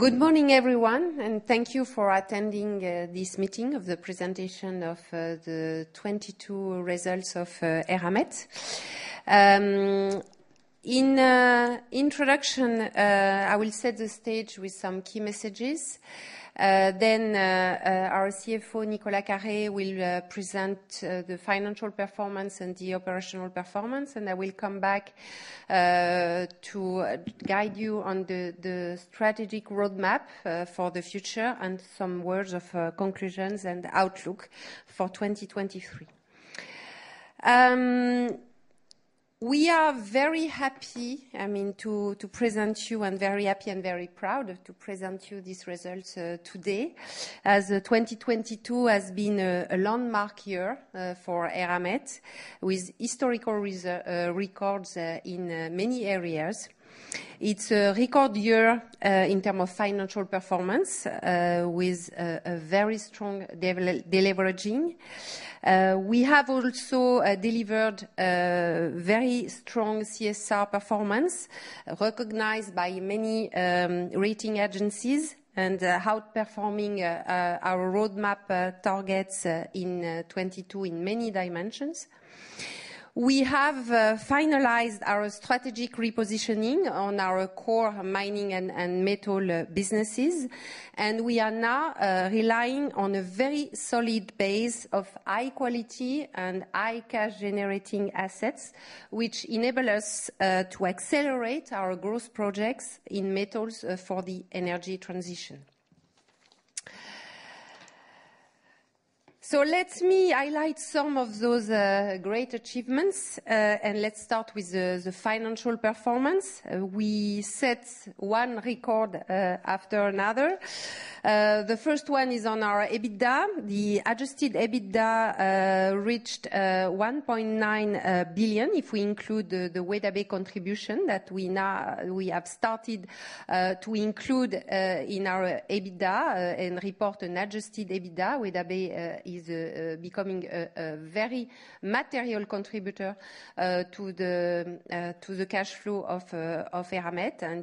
Good morning everyone, thank you for attending this meeting of the Presentation of the 2022 Results of Eramet. In introduction, I will set the stage with some key messages. Our CFO, Nicolas Carré, will present the financial performance and the operational performance. I will come back to guide you on the strategic roadmap for the future and some words of conclusions and outlook for 2023. We are very happy, I mean, to present you, and very happy and very proud to present you these results today. As 2022 has been a landmark year for Eramet, with historical records in many areas. It's a record year in terms of financial performance, with a very strong deleveraging. We have also delivered very strong CSR performance, recognized by many rating agencies and outperforming our roadmap targets in 2022 in many dimensions. We have finalized our strategic repositioning on our core mining and metal businesses. We are now relying on a very solid base of high quality and high cash generating assets, which enable us to accelerate our growth projects in metals for the energy transition. Let me highlight some of those great achievements, and let's start with the financial performance. We set one record after another. The first one is on our EBITDA. The Adjusted EBITDA reached 1.9 billion if we include the Weda Bay contribution that we have started to include in our EBITDA and report an Adjusted EBITDA. Weda Bay is becoming a very material contributor to the cash flow of Eramet. I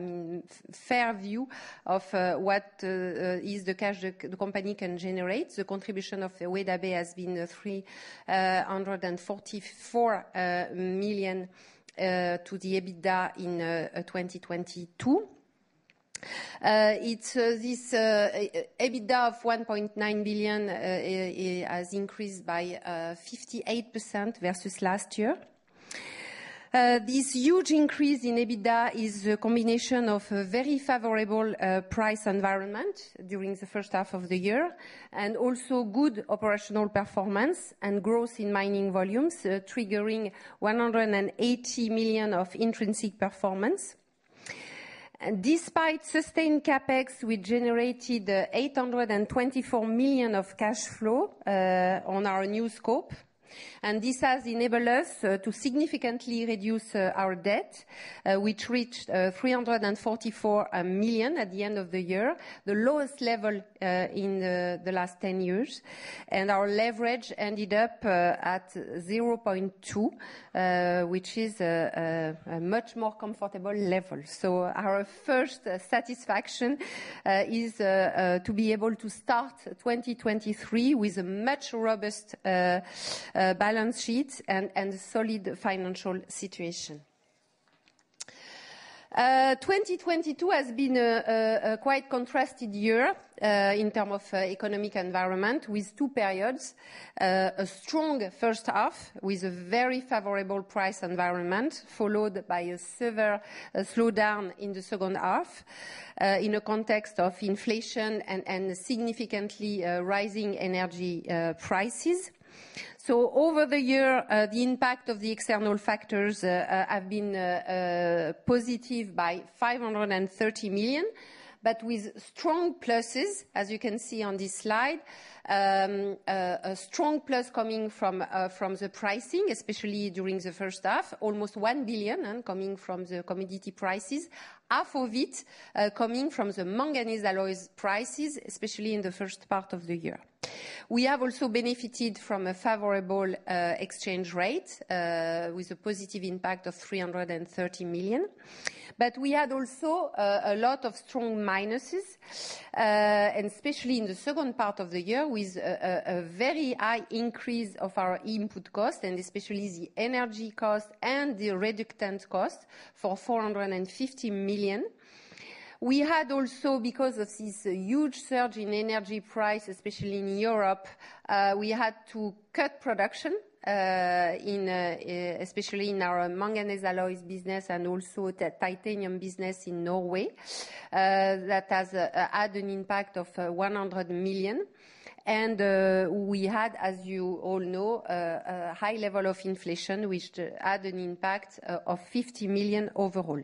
mean, fair view of what is the cash the company can generate. The contribution of the Weda Bay has been 344 million to the EBITDA in 2022. This EBITDA of 1.9 billion has increased by 58% versus last year. This huge increase in EBITDA is a combination of a very favorable price environment during the first half of the year, and also good operational performance and growth in mining volumes, triggering 180 million of intrinsic performance. Despite sustained CapEx, we generated 824 million of cash flow on our new scope, and this has enabled us to significantly reduce our debt, which reached 344 million at the end of the year, the lowest level in the last 10 years. Our leverage ended up at 0.2, which is a much more comfortable level. Our first satisfaction is to be able to start 2023 with a much robust balance sheet and solid financial situation. 2022 has been a quite contrasted year in terms of economic environment with two periods. A strong first half with a very favorable price environment, followed by a severe slowdown in the second half, in a context of inflation and significantly rising energy prices. So over the year, the impact of the external factors have been positive by 530 million, but with strong pluses, as you can see on this slide. A strong plus coming from the pricing, especially during the first half, almost 1 billion coming from the commodity prices. Half of it coming from the manganese alloys prices, especially in the first part of the year. We have also benefited from a favorable exchange rate with a positive impact of 330 million. We had also a lot of strong minuses, and especially in the second part of the year, with a very high increase of our input cost, and especially the energy cost and the reductant cost for 450 million. We had also, because of this huge surge in energy price, especially in Europe, we had to cut production in especially in our manganese alloys business and also the titanium business in Norway, that has had an impact of 100 million. We had, as you all know, a high level of inflation, which had an impact of 50 million overall.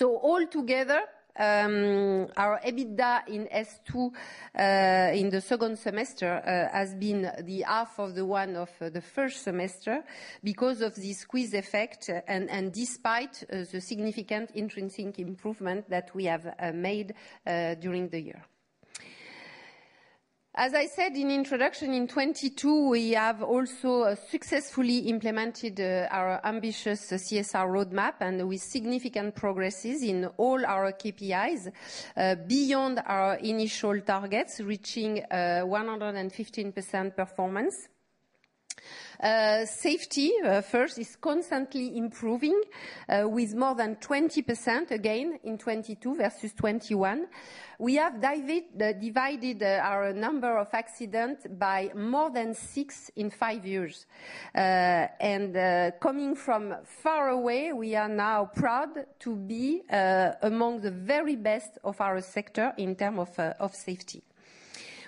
All together, our EBITDA in S2, in the second semester, has been the half of the one of the first semester because of this squeeze effect and despite the significant intrinsic improvement that we have made during the year. As I said in introduction, in 2022, we have also successfully implemented our ambitious CSR roadmap and with significant progresses in all our KPIs beyond our initial targets, reaching 115% performance. Safety first is constantly improving with more than 20% again in 2022 versus 2021. We have divided our number of accidents by more than six in five years. Coming from far away, we are now proud to be among the very best of our sector in terms of safety.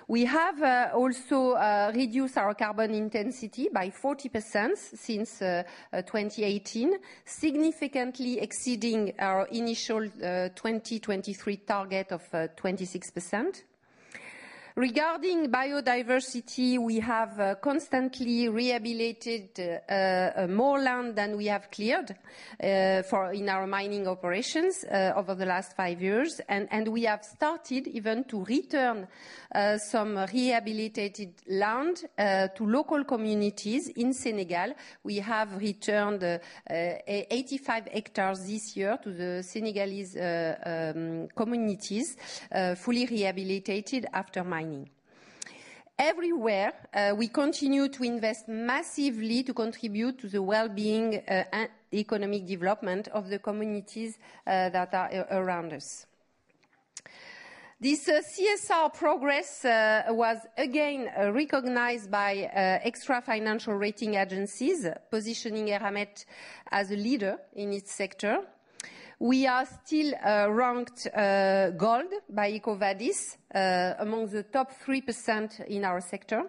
We have also reduced our carbon intensity by 40% since 2018, significantly exceeding our initial 2023 target of 26%. Regarding biodiversity, we have constantly rehabilitated more land than we have cleared for in our mining operations over the last five years. We have started even to return some rehabilitated land to local communities in Senegal. We have returned 85 hectares this year to the Senegalese communities, fully rehabilitated after mining. Everywhere, we continue to invest massively to contribute to the well-being and economic development of the communities that are around us. This CSR progress was again recognized by extra financial rating agencies, positioning Eramet as a leader in its sector. We are still ranked gold by EcoVadis among the top 3% in our sector.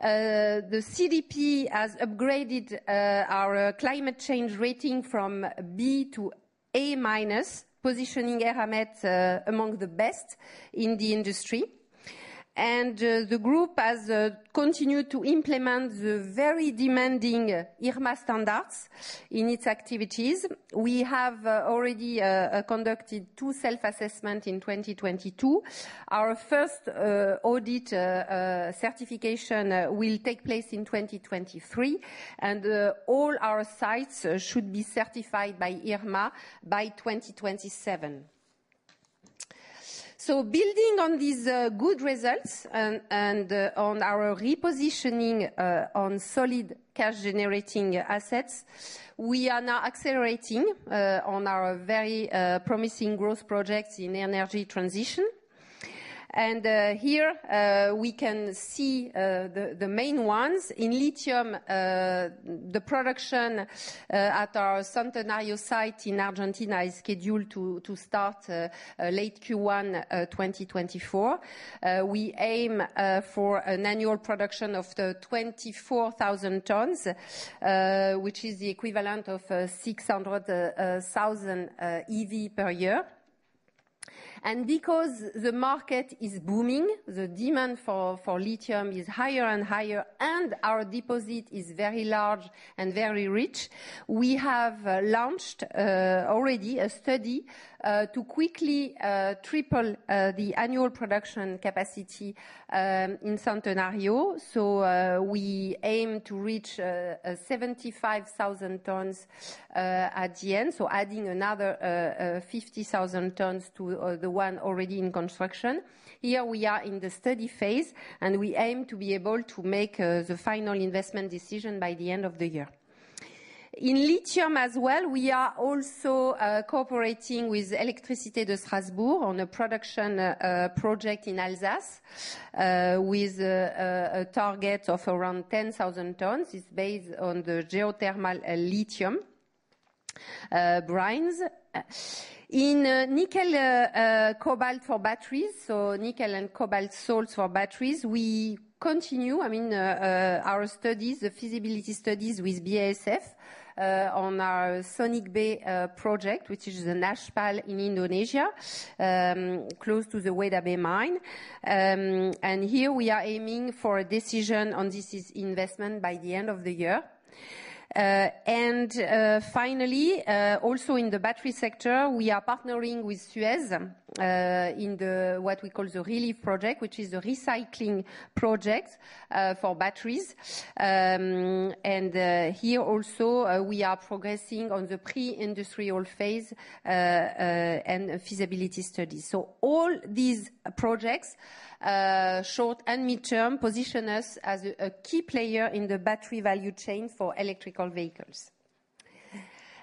The CDP has upgraded our climate change rating from B to A-, positioning Eramet among the best in the industry. The group has continued to implement the very demanding IRMA standards in its activities. We have already conducted two self-assessment in 2022. Our first audit certification will take place in 2023. All our sites should be certified by IRMA by 2027. Building on these good results and on our repositioning on solid cash-generating assets, we are now accelerating on our very promising growth projects in energy transition. Here we can see the main ones. In lithium, the production at our Centenario site in Argentina is scheduled to start late Q1 2024. We aim for an annual production of the 24,000 tons, which is the equivalent of 600,000 EV per year. Because the market is booming, the demand for lithium is higher and higher, and our deposit is very large and very rich, we have launched already a study to quickly triple the annual production capacity in Centenario. We aim to reach 75,000 tons at the end, so adding another 50,000 tons to the one already in construction. Here we are in the study phase, and we aim to be able to make the final investment decision by the end of the year. In lithium as well, we are also cooperating with Électricité de Strasbourg on a production project in Alsace, with a target of around 10,000 tons. It's based on the geothermal lithium brines. In nickel, cobalt for batteries, so nickel and cobalt salts for batteries, we continue, I mean, our studies, the feasibility studies with BASF, on our Sonic Bay project, which is in Halmahera, Indonesia, close to the Weda Bay mine. Here we are aiming for a decision on this's investment by the end of the year. Finally, also in the battery sector, we are partnering with Suez in the, what we call the ReLieVe project, which is a recycling project for batteries. Here also, we are progressing on the pre-industrial phase and feasibility studies. All these projects, short and mid-term, position us as a key player in the battery value chain for electrical vehicles.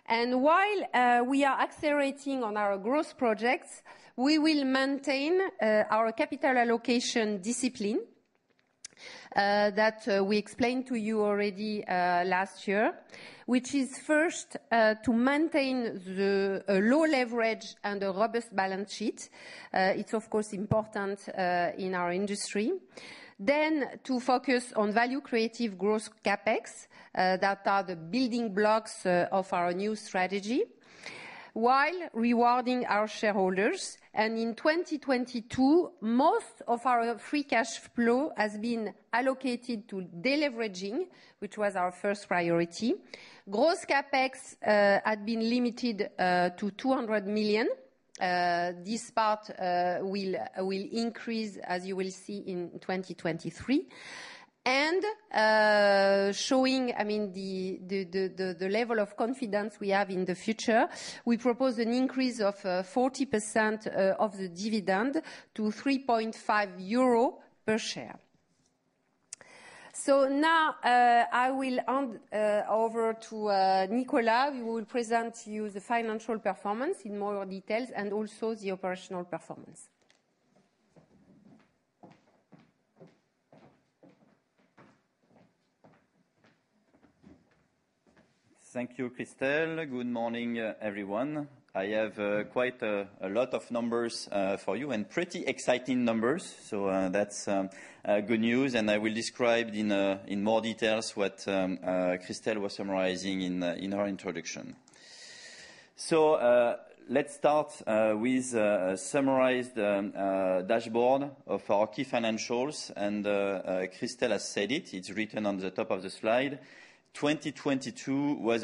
While we are accelerating on our growth projects, we will maintain our capital allocation discipline that we explained to you already last year, which is first to maintain the low leverage and a robust balance sheet. It's of course important in our industry. To focus on value-creative growth CapEx that are the building blocks of our new strategy while rewarding our shareholders. In 2022, most of our free cash flow has been allocated to deleveraging, which was our first priority. Gross CapEx had been limited to 200 million. This part will increase, as you will see, in 2023. Showing, I mean, the level of confidence we have in the future, we propose an increase of 40% of the dividend to 3.5 euro per share. Now I will hand over to Nicolas, who will present to you the financial performance in more details and also the operational performance. Thank you, Christel. Good morning, everyone. I have quite a lot of numbers for you and pretty exciting numbers, so that's good news. I will describe in more details what Christel was summarizing in her introduction. Let's start with a summarized dashboard of our key financials. Christel has said it's written on the top of the slide, 2022 was a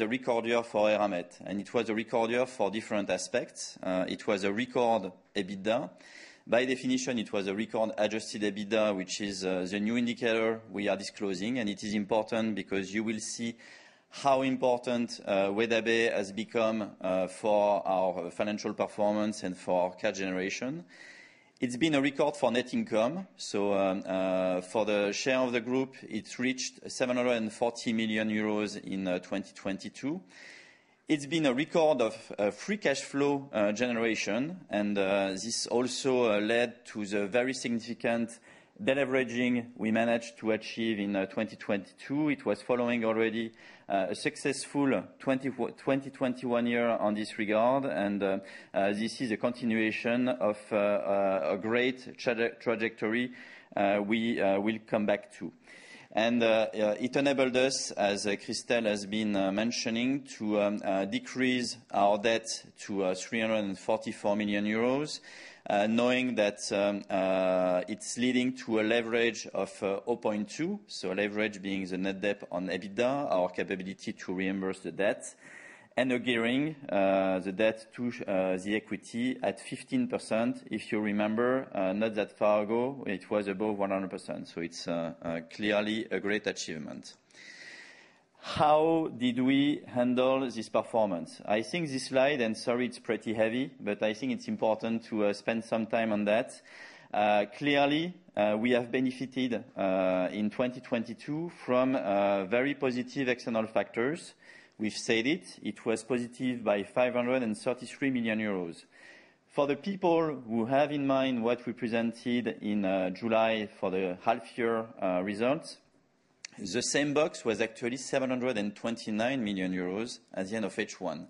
record year for Eramet, and it was a record year for different aspects. It was a record EBITDA. By definition, it was a record Adjusted EBITDA, which is the new indicator we are disclosing. It is important because you will see how important Weda Bay has become for our financial performance and for our cash generation. It's been a record for net income, for the share of the group, it reached EUR 740 million in 2022. It's been a record of free cash flow generation. This also led to the very significant deleveraging we managed to achieve in 2022. It was following already a successful 2021 year on this regard. This is a continuation of a great trajectory. We will come back to. It enabled us, as Christel has been mentioning, to decrease our debt to 344 million euros, knowing that it's leading to a leverage of 0.2. Leverage being the net debt on EBITDA, our capability to reimburse the debt. We're gearing the debt to the equity at 15%. If you remember, not that far ago, it was above 100%, so it's clearly a great achievement. How did we handle this performance? I think this slide, and sorry, it's pretty heavy, but I think it's important to spend some time on that. Clearly, we have benefited in 2022 from very positive external factors. We've said it was positive by 533 million euros. For the people who have in mind what we presented in July for the half year results, the same box was actually 729 million euros at the end of H1.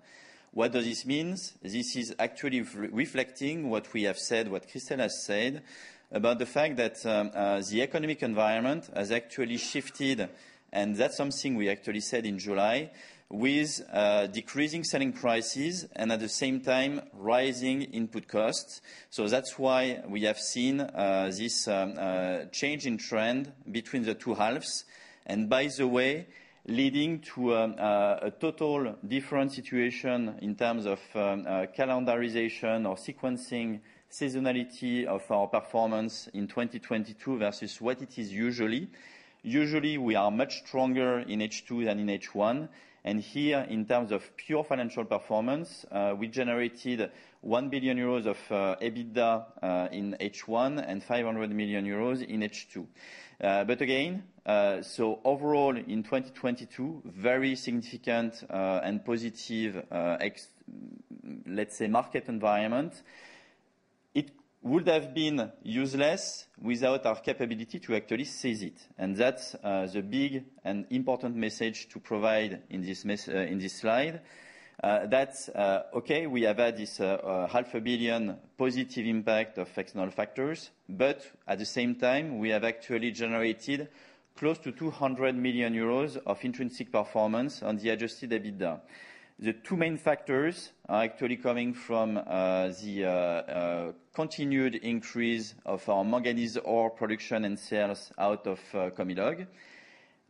What does this means? This is actually re-reflecting what we have said, what Christel has said about the fact that the economic environment has actually shifted, and that's something we actually said in July with decreasing selling prices and at the same time rising input costs. That's why we have seen this change in trend between the two halves, and by the way, leading to a total different situation in terms of calendarization or sequencing seasonality of our performance in 2022 versus what it is usually. Usually, we are much stronger in H2 than in H1. Here, in terms of pure financial performance, we generated 1 billion euros of EBITDA in H1 and 500 million euros in H2. Again, overall in 2022, very significant and positive, let's say, market environment, it would have been useless without our capability to actually seize it. That's the big and important message to provide in this slide. Okay, we have had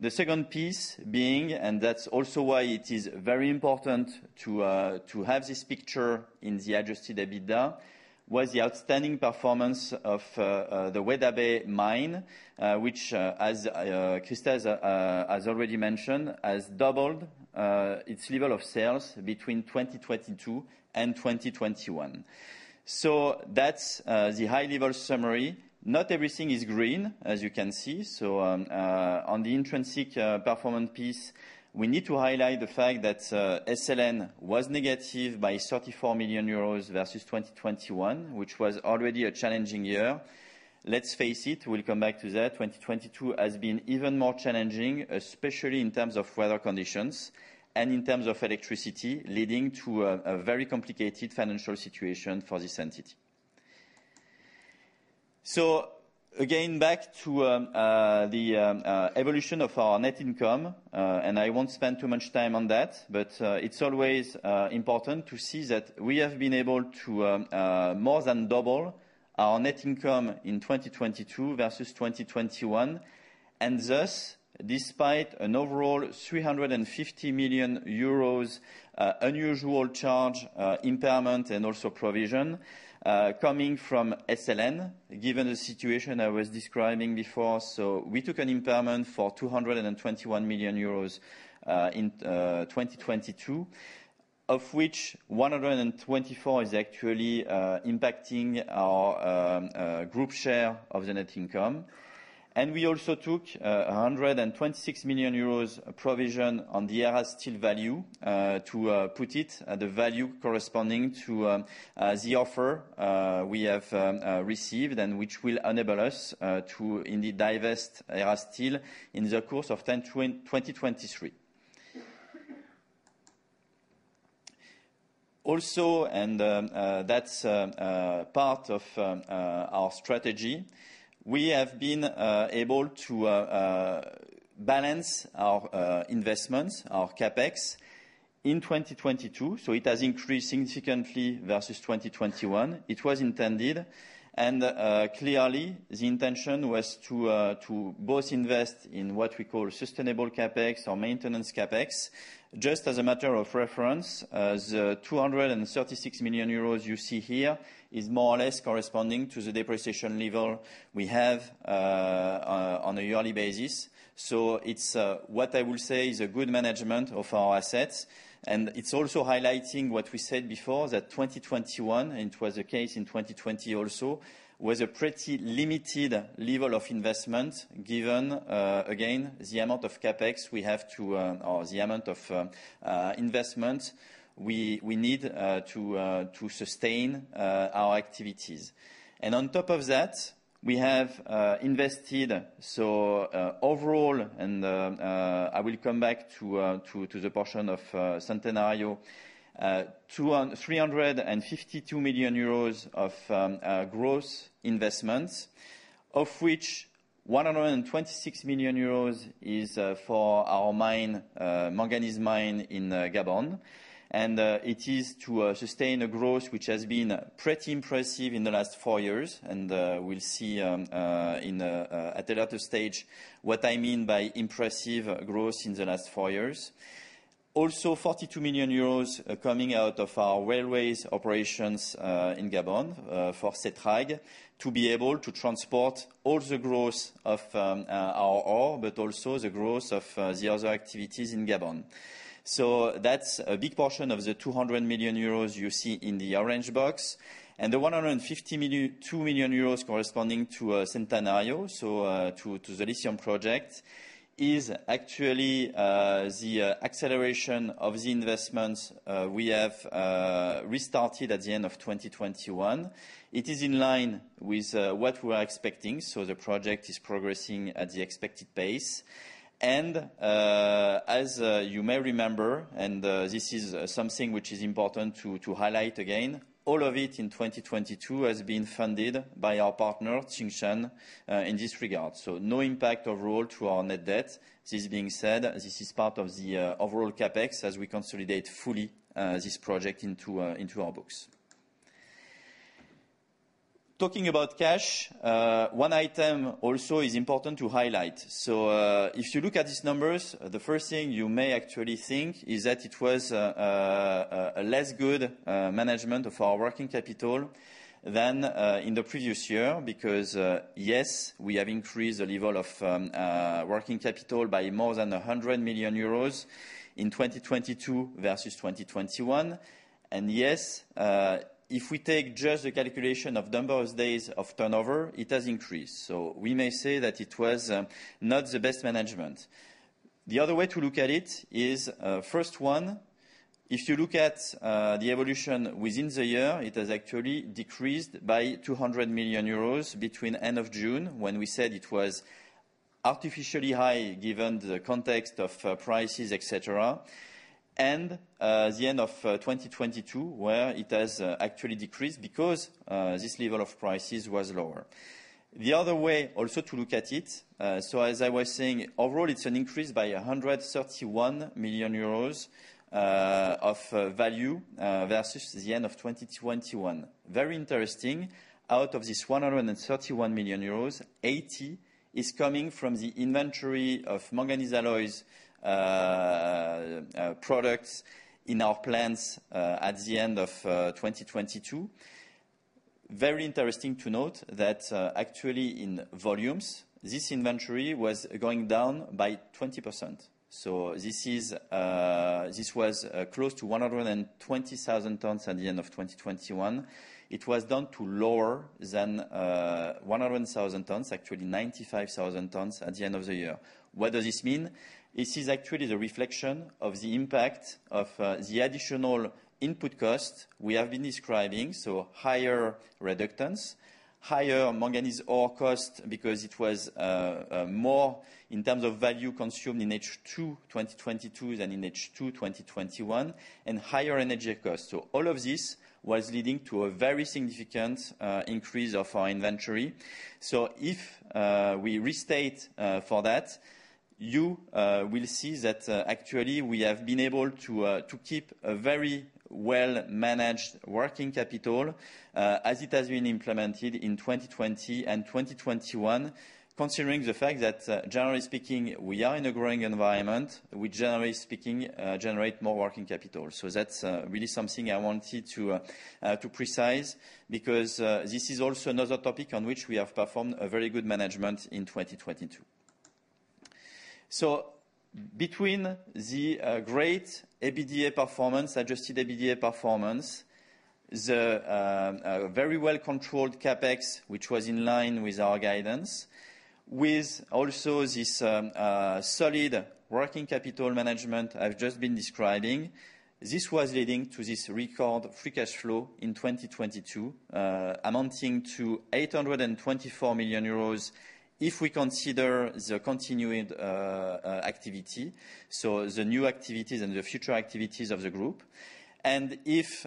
this half a billion positive impact of external factors, but at the same time, we have actually generated close to EUR 200 million of intrinsic performance on the Adjusted EBITDA. The two main factors are actually coming from the continued increase of our manganese ore production and sales out of Comilog. The second piece being, that's also why it is very important to have this picture in the Adjusted EBITDA, was the outstanding performance of the Weda Bay mine, which as Christel has already mentioned, has doubled its level of sales between 2022 and 2021. That's the high-level summary. Not everything is green, as you can see. On the intrinsic performance piece, we need to highlight the fact that SLN was negative by 34 million euros versus 2021, which was already a challenging year. Let's face it, we'll come back to that. 2022 has been even more challenging, especially in terms of weather conditions and in terms of electricity, leading to a very complicated financial situation for this entity. Back to the evolution of our net income. I won't spend too much time on that, but it's always important to see that we have been able to more than double our net income in 2022 versus 2021. Despite an overall 350 million euros unusual charge, impairment, and also provision, coming from SLN, given the situation I was describing before. We took an impairment for 221 million euros in 2022, of which 124 is actually impacting our group share of the net income. And we also took 126 million euros provision on the Erasteel value to put it at the value corresponding to the offer we have received and which will enable us to indeed divest Erasteel in the course of 2023. Also, that's part of our strategy, we have been able to balance our investments, our CapEx in 2022, so it has increased significantly versus 2021. It was intended and, clearly, the intention was to both invest in what we call sustainable CapEx or maintenance CapEx. Just as a matter of reference, the 236 million euros you see here is more or less corresponding to the depreciation level we have, on a yearly basis. It's, what I will say is a good management of our assets, and it's also highlighting what we said before, that 2021, and it was the case in 2020 also, was a pretty limited level of investment given, again, the amount of CapEx we have to, or the amount of, investment we need, to sustain, our activities. On top of that, we have invested, overall, I will come back to the portion of Centenario, EUR 352 million of growth investments, of which EUR 126 million is for our mine, manganese mine in Gabon. It is to sustain a growth which has been pretty impressive in the last four years and we'll see, at a later stage, what I mean by impressive growth in the last four years. Also, EUR 42 million coming out of our railways operations in Gabon, for SETRAG, to be able to transport all the growth of our ore, but also the growth of the other activities in Gabon. That's a big portion of the EUR 200 million you see in the orange box. The 152 million euros corresponding to Centenario, so to the lithium project, is actually the acceleration of the investments we have restarted at the end of 2021. It is in line with what we are expecting, so the project is progressing at the expected pace. As you may remember, and this is something which is important to highlight again, all of it in 2022 has been funded by our partner, Tsingshan, in this regard. No impact overall to our net debt. This being said, this is part of the overall CapEx as we consolidate fully this project into our books. Talking about cash, one item also is important to highlight. If you look at these numbers, the first thing you may actually think is that it was a less good management of our working capital than in the previous year because, yes, we have increased the level of working capital by more than 100 million euros in 2022 versus 2021. Yes, if we take just the calculation of number of days of turnover, it has increased. We may say that it was not the best management. The other way to look at it is, first one, if you look at the evolution within the year, it has actually decreased by 200 million euros between end of June, when we said it was artificially high given the context of prices, et cetera, and the end of 2022, where it has actually decreased because this level of prices was lower. The other way also to look at it, so as I was saying, overall, it's an increase by 131 million euros of value versus the end of 2021. Very interesting. Out of this 131 million euros, 80 is coming from the inventory of manganese alloys products in our plants at the end of 2022. Very interesting to note that, actually in volumes, this inventory was going down by 20%. This is, this was, close to 120,000 tons at the end of 2021. It was down to lower than 100,000 tons, actually 95,000 tons at the end of the year. What does this mean? This is actually the reflection of the impact of the additional input cost we have been describing, so higher reductants, higher manganese ore cost because it was more in terms of value consumed in H2 2022 than in H2 2021, and higher energy costs. All of this was leading to a very significant increase of our inventory. If we restate for that, you will see that actually we have been able to keep a very well-managed working capital, as it has been implemented in 2020 and 2021, considering the fact that generally speaking, we are in a growing environment, we generally speaking generate more working capital. That's really something I wanted to precise because this is also another topic on which we have performed a very good management in 2022. Between the great EBITDA performance, Adjusted EBITDA performance, the very well-controlled CapEx, which was in line with our guidance, with also this solid working capital management I've just been describing. This was leading to this record free cash flow in 2022, amounting to 824 million euros if we consider the continuing activity, so the new activities and the future activities of the group. If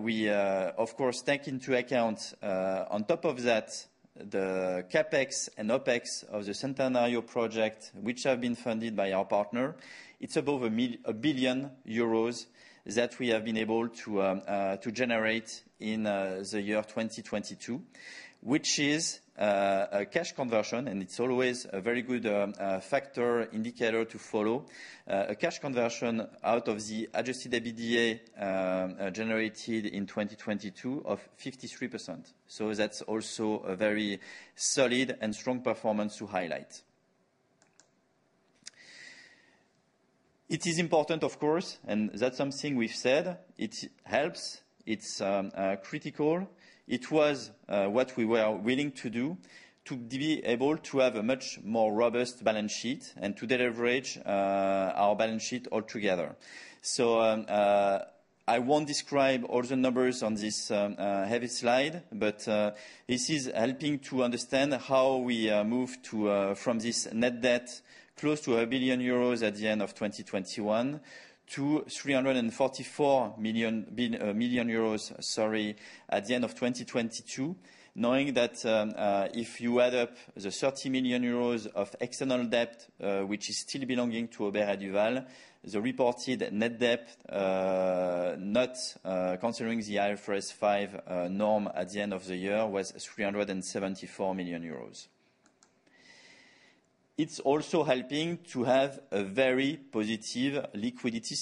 we, of course, take into account on top of that, the CapEx and OpEx of the Centenario project, which have been funded by our partner, it's above 1 billion euros that we have been able to generate in the year 2022, which is a cash conversion, and it's always a very good factor indicator to follow, a cash conversion out of the Adjusted EBITDA generated in 2022 of 53%. That's also a very solid and strong performance to highlight. It is important, of course, that's something we've said, it helps, it's critical. It was what we were willing to do to be able to have a much more robust balance sheet and to deleverage our balance sheet altogether. I won't describe all the numbers on this heavy slide, this is helping to understand how we moved to from this net debt close to 1 billion euros at the end of 2021 to 344 million euros, sorry, at the end of 2022. Knowing that, if you add up the 30 million euros of external debt, which is still belonging to Aubert & Duval, the reported net debt, not considering the IFRS 5 norm at the end of the year was 374 million euros. It's also helping to have a very positive liquidity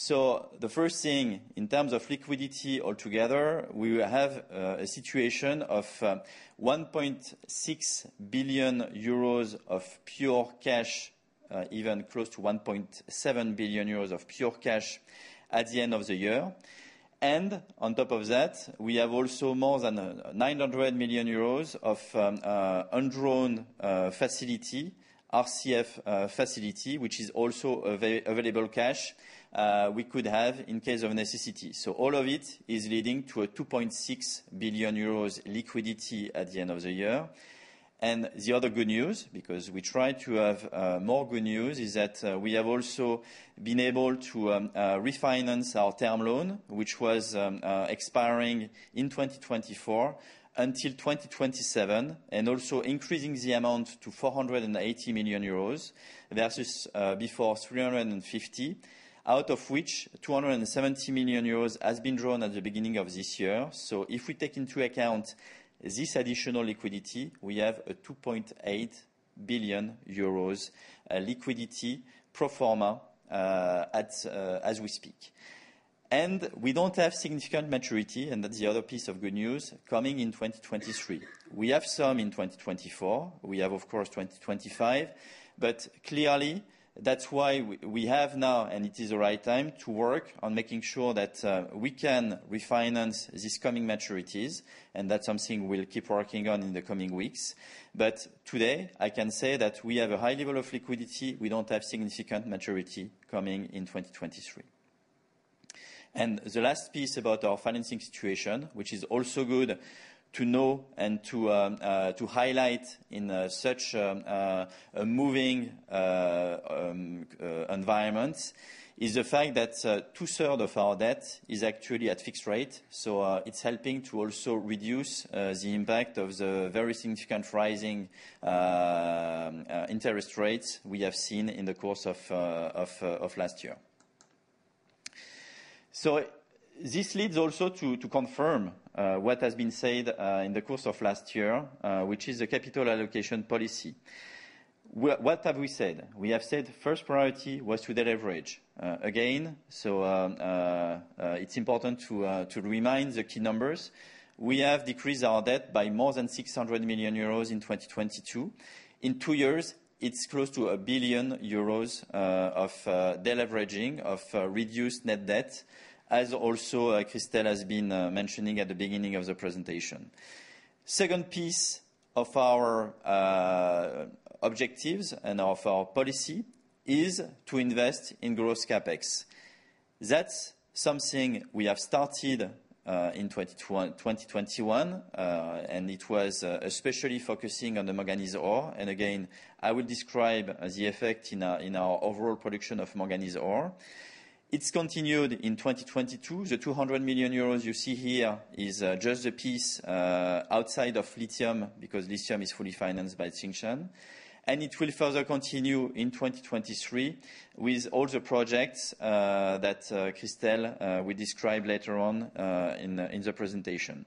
situation, and that's critical for two things, to be able to address the future maturities and also to be able to finance the very significant growth projects we have in our roadmap. We started in the last year, as I was describing, and will continue in the coming years. The first thing, in terms of liquidity altogether, we have a situation of EUR 1.6 billion of pure cash, even close to 1.7 billion euros of pure cash at the end of the year. On top of that, we have also more than 900 million euros of undrawn RCF facility, which is also available cash we could have in case of necessity. All of it is leading to 2.6 billion euros liquidity at the end of the year. The other good news, because we try to have more good news, is that we have also been able to refinance our term loan, which was expiring in 2024, until 2027, and also increasing the amount to 480 million euros versus before 350 million, out of which 270 million euros has been drawn at the beginning of this year. If we take into account this additional liquidity, we have a 2.8 billion euros liquidity pro forma as we speak. We don't have significant maturity, and that's the other piece of good news, coming in 2023. We have some in 2024. We have, of course, 2025. Clearly, that's why we have now, and it is the right time to work on making sure that we can refinance these coming maturities, and that's something we'll keep working on in the coming weeks. Today, I can say that we have a high level of liquidity. We don't have significant maturity coming in 2023. The last piece about our financing situation, which is also good to know and to highlight in such moving environment, is the fact that 2/3 of our debt is actually at fixed rate. It's helping to also reduce the impact of the very significant rising interest rates we have seen in the course of last year. This leads also to confirm what has been said in the course of last year, which is the capital allocation policy. What have we said? We have said first priority was to deleverage. Again, it's important to remind the key numbers. We have decreased our debt by more than 600 million euros in 2022. In two years, it's close to 1 billion euros of deleveraging, of reduced net debt, as also Christel has been mentioning at the beginning of the presentation. Second piece of our objectives and of our policy is to invest in gross CapEx. That's something we have started in 2021, and it was especially focusing on the manganese ore. Again, I would describe the effect in our, in our overall production of manganese ore. It's continued in 2022. The 200 million euros you see here is just the piece outside of lithium, because lithium is fully financed by Tsingshan. It will further continue in 2023 with all the projects that Christel will describe later on in the presentation.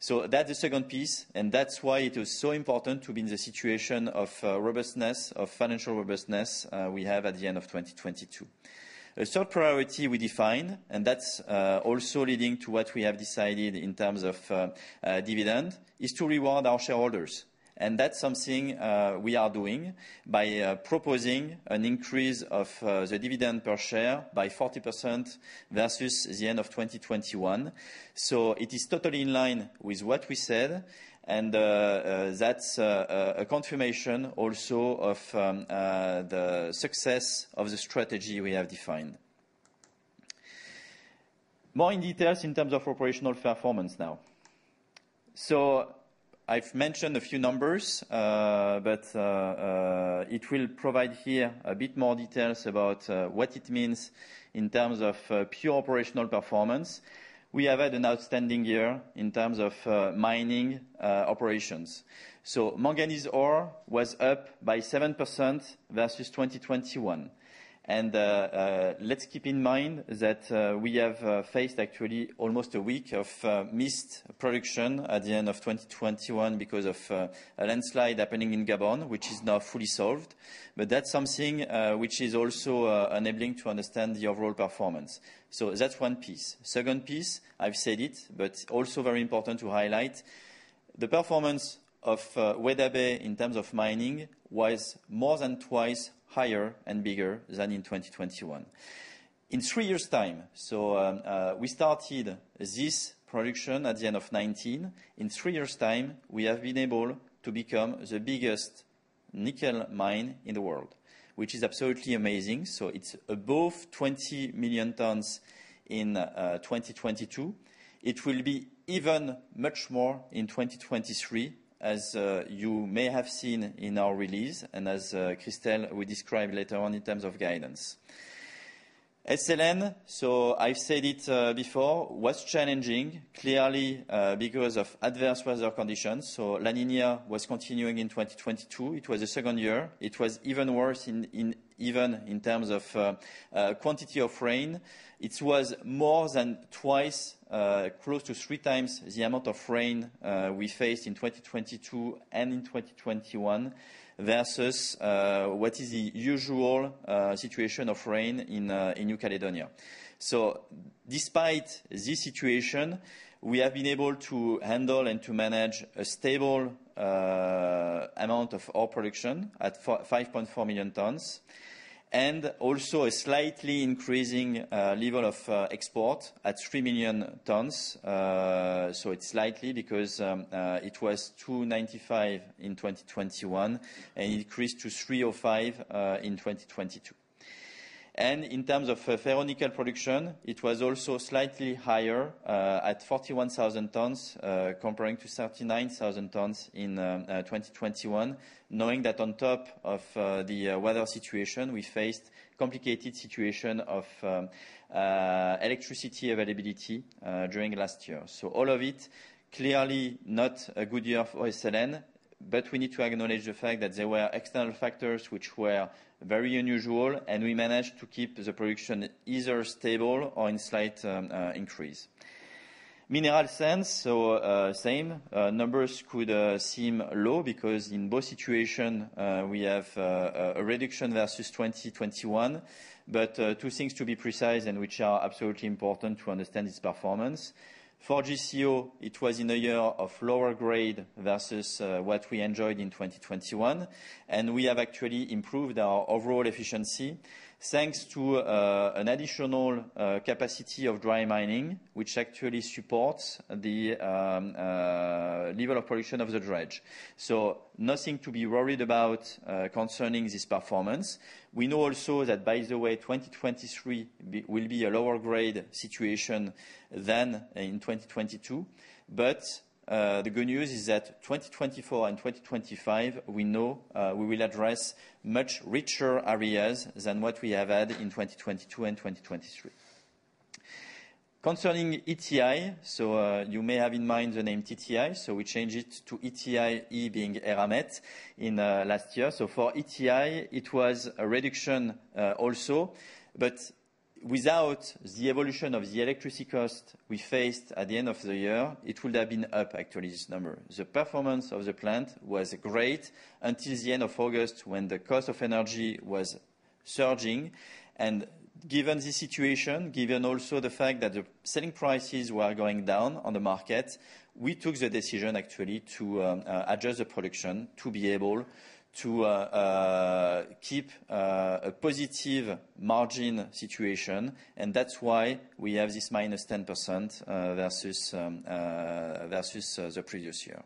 That's the second piece, and that's why it was so important to be in the situation of robustness, of financial robustness, we have at the end of 2022. A third priority we defined, and that's also leading to what we have decided in terms of dividend, is to reward our shareholders. That's something we are doing by proposing an increase of the dividend per share by 40% versus the end of 2021. It is totally in line with what we said and that's a confirmation also of the success of the strategy we have defined. More in details in terms of operational performance now. I've mentioned a few numbers, but it will provide here a bit more details about what it means in terms of pure operational performance. We have had an outstanding year in terms of mining operations. Manganese ore was up by 7% versus 2021. Let's keep in mind that we have faced actually almost a week of missed production at the end of 2021 because of a landslide happening in Gabon, which is now fully solved. That's something which is also enabling to understand the overall performance. That's one piece. Second piece, I've said it, but also very important to highlight, the performance of Weda Bay in terms of mining was more than twice higher and bigger than in 2021. In three years' time, we started this production at the end of 2019. In three years' time, we have been able to become the biggest nickel mine in the world, which is absolutely amazing. It's above 20 million tons in 2022. It will be even much more in 2023, as you may have seen in our release and as Christel will describe later on in terms of guidance. SLN, I've said it before, was challenging, clearly, because of adverse weather conditions. La Niña was continuing in 2022. It was the second year. It was even worse even in terms of quantity of rain. It was more than twice, close to three times the amount of rain we faced in 2022 and in 2021 versus what is the usual situation of rain in New Caledonia. Despite this situation, we have been able to handle and to manage a stable amount of ore production at 5.4 million tons, and also a slightly increasing level of export at 3 million tons. It's slightly because it was 2.95 million in 2021, and it increased to 3.05 million in 2022. In terms of ferronickel production, it was also slightly higher at 41,000 tons, comparing to 39,000 tons in 2021. Knowing that on top of the weather situation, we faced complicated situation of electricity availability during last year. All of it clearly not a good year for SLN, but we need to acknowledge the fact that there were external factors which were very unusual, and we managed to keep the production either stable or in slight increase. Mineral sands, same. Numbers could seem low because in both situation, we have a reduction versus 2021. Two things to be precise and which are absolutely important to understand this performance. For GCO, it was in a year of lower grade versus what we enjoyed in 2021. We have actually improved our overall efficiency, thanks to an additional capacity of dry mining, which actually supports the level of production of the dredge. Nothing to be worried about concerning this performance. We know also that, by the way, 2023 will be a lower grade situation than in 2022. The good news is that 2024 and 2025, we know, we will address much richer areas than what we have had in 2022 and 2023. Concerning ETI, you may have in mind the name TTI, we changed it to ETI, E being Eramet, in last year. For ETI, it was a reduction also, but without the evolution of the electricity cost we faced at the end of the year, it would have been up actually this number. The performance of the plant was great until the end of August, when the cost of energy was surging. Given this situation, given also the fact that the selling prices were going down on the market, we took the decision actually to adjust the production to be able to keep a positive margin situation. That's why we have this minus 10% versus the previous year.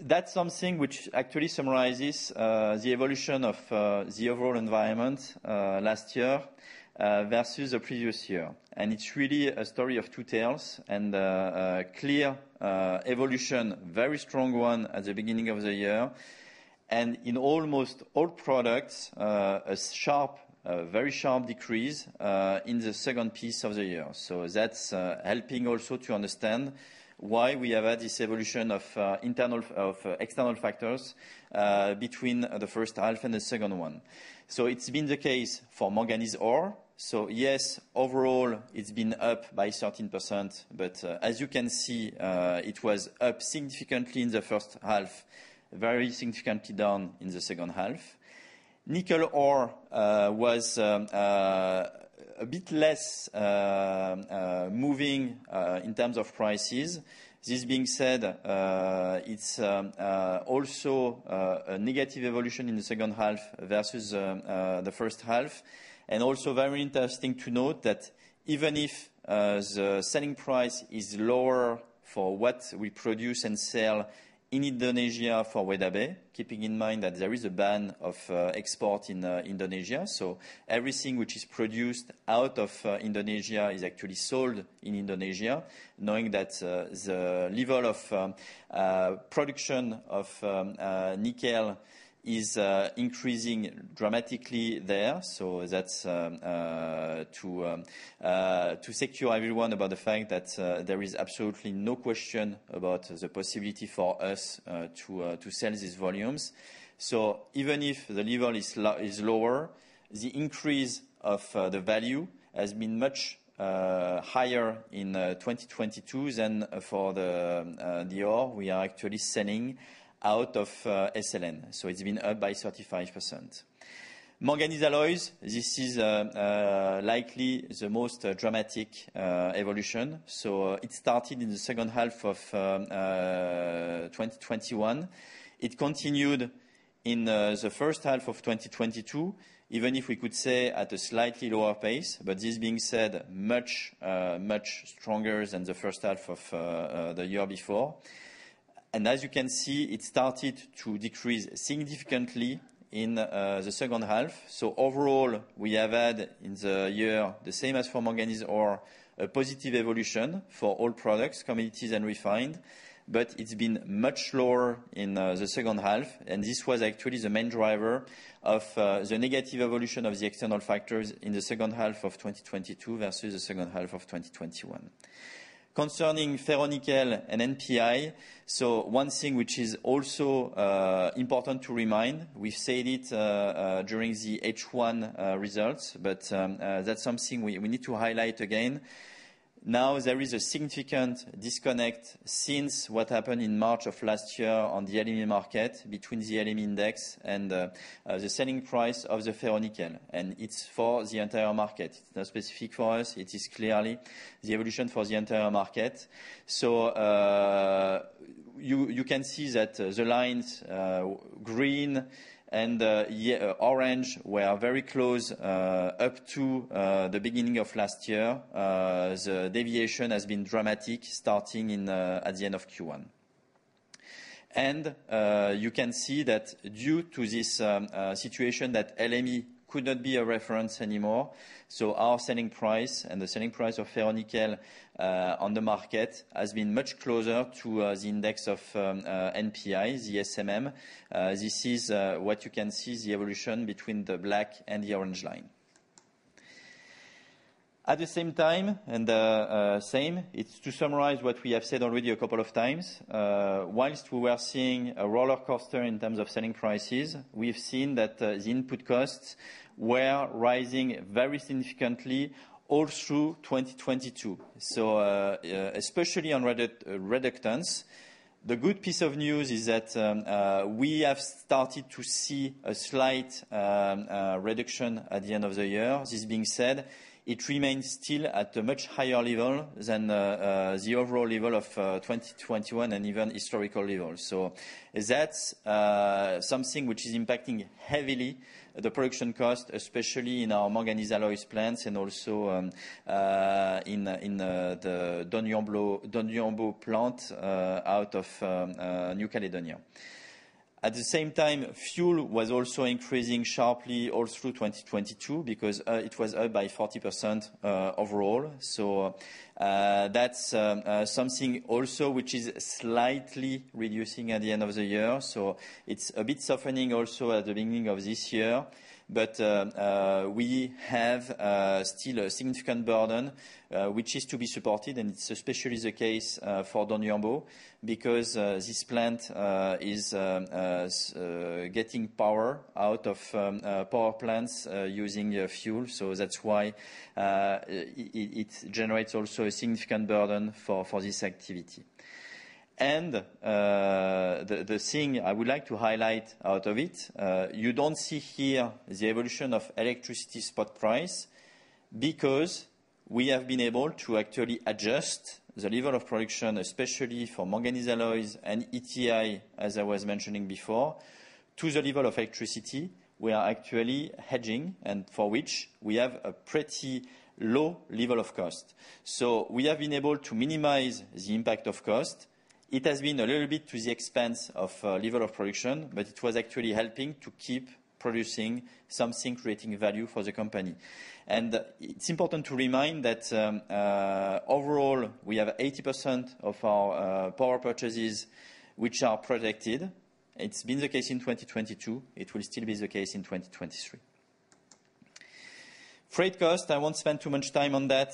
That's something which actually summarizes the evolution of the overall environment last year versus the previous year. It's really a story of two tales and a clear evolution, very strong one at the beginning of the year. In almost all products, a sharp, a very sharp decrease in the second piece of the year. That's helping also to understand why we have had this evolution of internal, of external factors, between the first half and the second one. It's been the case for manganese ore. Yes, overall it's been up by 13%, but as you can see, it was up significantly in the first half, very significantly down in the second half. Nickel ore was a bit less moving in terms of prices. This being said, it's also a negative evolution in the second half versus the first half. Also very interesting to note that even if the selling price is lower for what we produce and sell in Indonesia for Weda Bay, keeping in mind that there is a ban of export in Indonesia. Everything which is produced out of Indonesia is actually sold in Indonesia. Knowing that the level of production of nickel is increasing dramatically there. That's to secure everyone about the fact that there is absolutely no question about the possibility for us to sell these volumes. Even if the level is lower, the increase of the value has been much higher in 2022 than for the ore we are actually selling out of SLN. It's been up by 35%. Manganese alloys. This is likely the most dramatic evolution. It started in the second half of 2021. It continued in the first half of 2022, even if we could say at a slightly lower pace. This being said, much, much stronger than the first half of the year before. As you can see, it started to decrease significantly in the second half. Overall, we have had in the year, the same as for manganese ore, a positive evolution for all products, commodities and refined. It's been much lower in the second half. This was actually the main driver of the negative evolution of the external factors in the second half of 2022 versus the second half of 2021. Concerning ferronickel and NPI. One thing which is also important to remind, we've said it during the H1 results, but that's something we need to highlight again. There is a significant disconnect since what happened in March of last year on the LME market between the LME index and the selling price of the ferronickel. It's for the entire market. It's not specific for us. It is clearly the evolution for the entire market. You can see that the lines green and orange were very close up to the beginning of last year. The deviation has been dramatic starting at the end of Q1. You can see that due to this situation that LME could not be a reference anymore. Our selling price and the selling price of ferronickel on the market has been much closer to the index of NPI, the SMM. This is what you can see, the evolution between the black and the orange line. At the same time, same, it's to summarize what we have said already a couple of times, whilst we were seeing a rollercoaster in terms of selling prices, we have seen that the input costs were rising very significantly all through 2022, especially on reductants. The good piece of news is that we have started to see a slight reduction at the end of the year. This being said, it remains still at a much higher level than the overall level of 2021 and even historical levels. That's something which is impacting heavily the production cost, especially in our manganese alloys plants and also in the Doniambo plant out of New Caledonia. At the same time, fuel was also increasing sharply all through 2022 because it was up by 40% overall. That's something also which is slightly reducing at the end of the year. It's a bit softening also at the beginning of this year. We have still a significant burden which is to be supported. It's especially the case for Doniambo because this plant is getting power out of power plants using fuel. That's why it generates also a significant burden for this activity. The thing I would like to highlight out of it, you don't see here the evolution of electricity spot price because we have been able to actually adjust the level of production, especially for manganese alloys and ETI, as I was mentioning before, to the level of electricity we are actually hedging and for which we have a pretty low level of cost. We have been able to minimize the impact of cost. It has been a little bit to the expense of level of production, but it was actually helping to keep producing something creating value for the company. It's important to remind that, overall, we have 80% of our power purchases which are protected. It's been the case in 2022. It will still be the case in 2023. Freight cost, I won't spend too much time on that,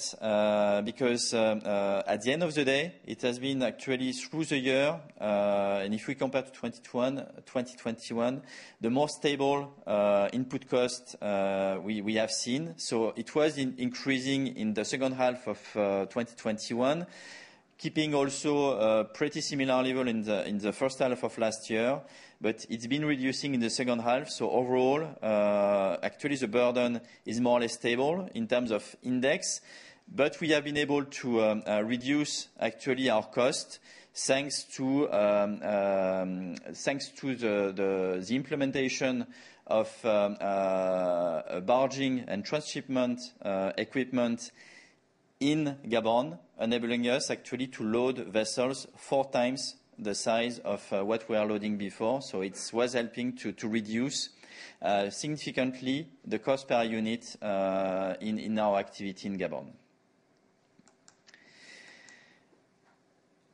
because at the end of the day, it has been actually through the year, and if we compare to 2021, the more stable input cost we have seen. It was increasing in the second half of 2021, keeping also pretty similar level in the first half of last year, but it's been reducing in the second half. Overall, actually the burden is more or less stable in terms of index. We have been able to reduce actually our cost thanks to the implementation of barging and transshipment equipment in Gabon, enabling us actually to load vessels four times the size of what we were loading before. It was helping to reduce significantly the cost per unit in our activity in Gabon.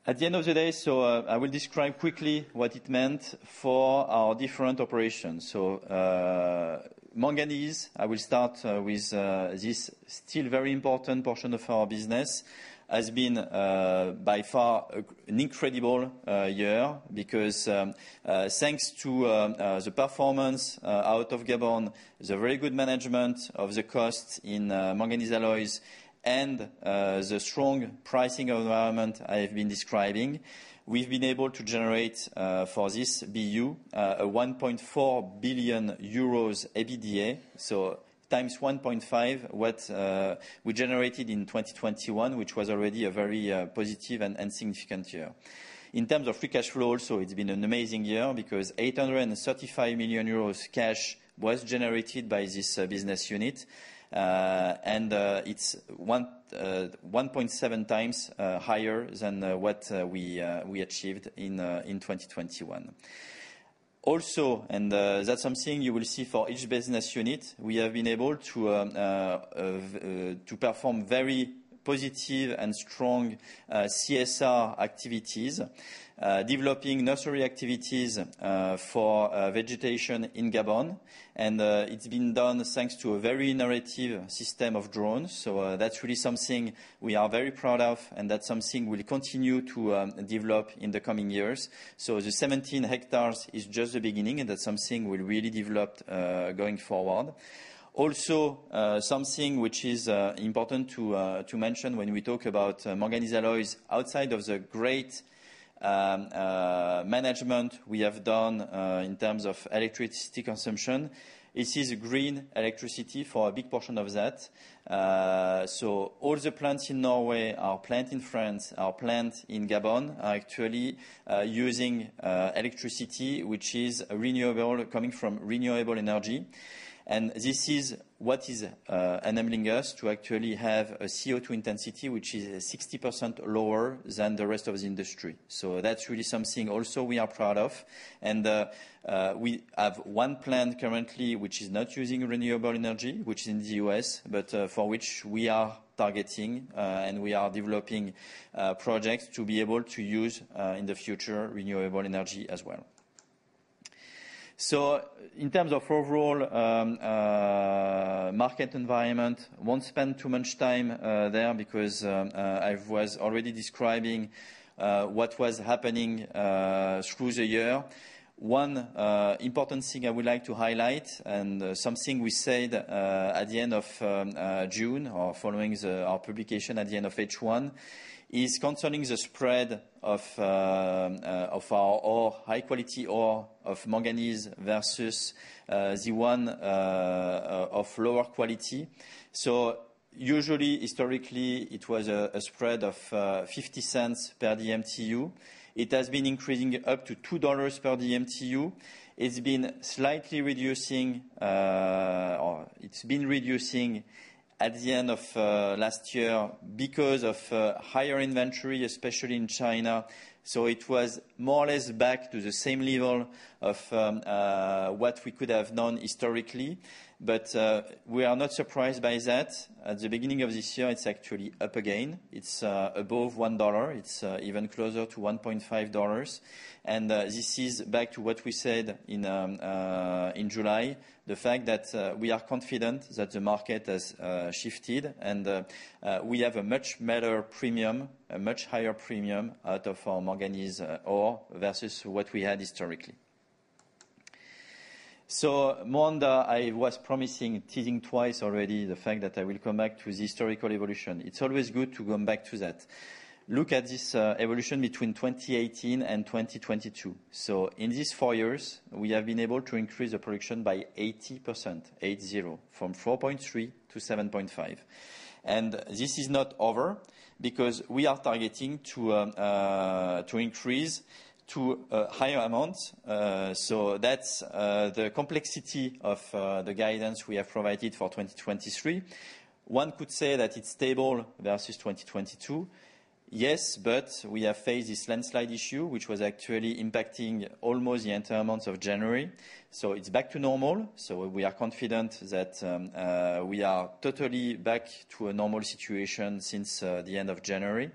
At the end of the day, I will describe quickly what it meant for our different operations. Manganese, I will start with this still very important portion of our business. Has been by far an incredible year because thanks to the performance out of Gabon, the very good management of the cost in manganese alloys and the strong pricing environment I've been describing, we've been able to generate for this BU a 1.4 billion euros EBITDA. 1.5x what we generated in 2021, which was already a very positive and significant year. In terms of free cash flow also, it's been an amazing year because 835 million euros cash was generated by this business unit. It's 1.7x higher than what we achieved in 2021. Also, that's something you will see for each business unit, we have been able to perform very positive and strong CSR activities, developing nursery activities for vegetation in Gabon. It's been done thanks to a very innovative system of drones. That's really something we are very proud of, and that's something we'll continue to develop in the coming years. The 17 hectares is just the beginning, and that's something we really developed going forward. Also, something which is important to mention when we talk about manganese alloys, outside of the great management we have done in terms of electricity consumption. This is green electricity for a big portion of that. All the plants in Norway, our plant in France, our plant in Gabon, are actually using electricity, which is renewable, coming from renewable energy. This is what is enabling us to actually have a CO2 intensity, which is 60% lower than the rest of the industry. That's really something also we are proud of. We have one plant currently which is not using renewable energy, which is in the U.S., but for which we are targeting and we are developing projects to be able to use in the future, renewable energy as well. In terms of overall market environment, won't spend too much time there because I was already describing what was happening through the year. One important thing I would like to highlight and something we said at the end of June or following the, our publication at the end of H1 is concerning the spread of our ore, high quality ore of manganese versus the one of lower quality. Usually, historically, it was a spread of $0.50 per DMTU. It has been increasing up to $2 per DMTU. It's been slightly reducing or it's been reducing at the end of last year because of higher inventory, especially in China. It was more or less back to the same level of what we could have done historically. We are not surprised by that. At the beginning of this year, it's actually up again. It's above $1. It's even closer to $1.5. This is back to what we said in July. The fact that we are confident that the market has shifted and we have a much better premium, a much higher premium out of our manganese ore versus what we had historically. Moanda, I was promising, teasing twice already the fact that I will come back to the historical evolution. It's always good to come back to that. Look at this evolution between 2018 and 2022. In these four years, we have been able to increase the production by 80%, eight-zero, from 4.3 to 7.5. This is not over because we are targeting to increase to a higher amount. That's the complexity of the guidance we have provided for 2023. One could say that it's stable versus 2022. Yes, we have faced this landslide issue, which was actually impacting almost the entire month of January. It's back to normal. We are confident that we are totally back to a normal situation since the end of January.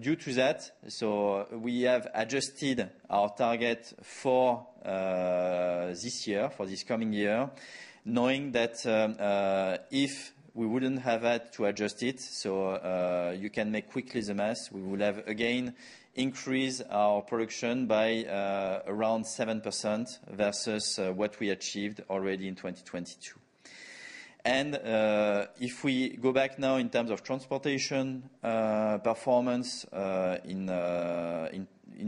Due to that, we have adjusted our target for this year, for this coming year, knowing that if we wouldn't have had to adjust it, you can make quickly the math, we would have again increased our production by around 7% versus what we achieved already in 2022. If we go back now in terms of transportation performance in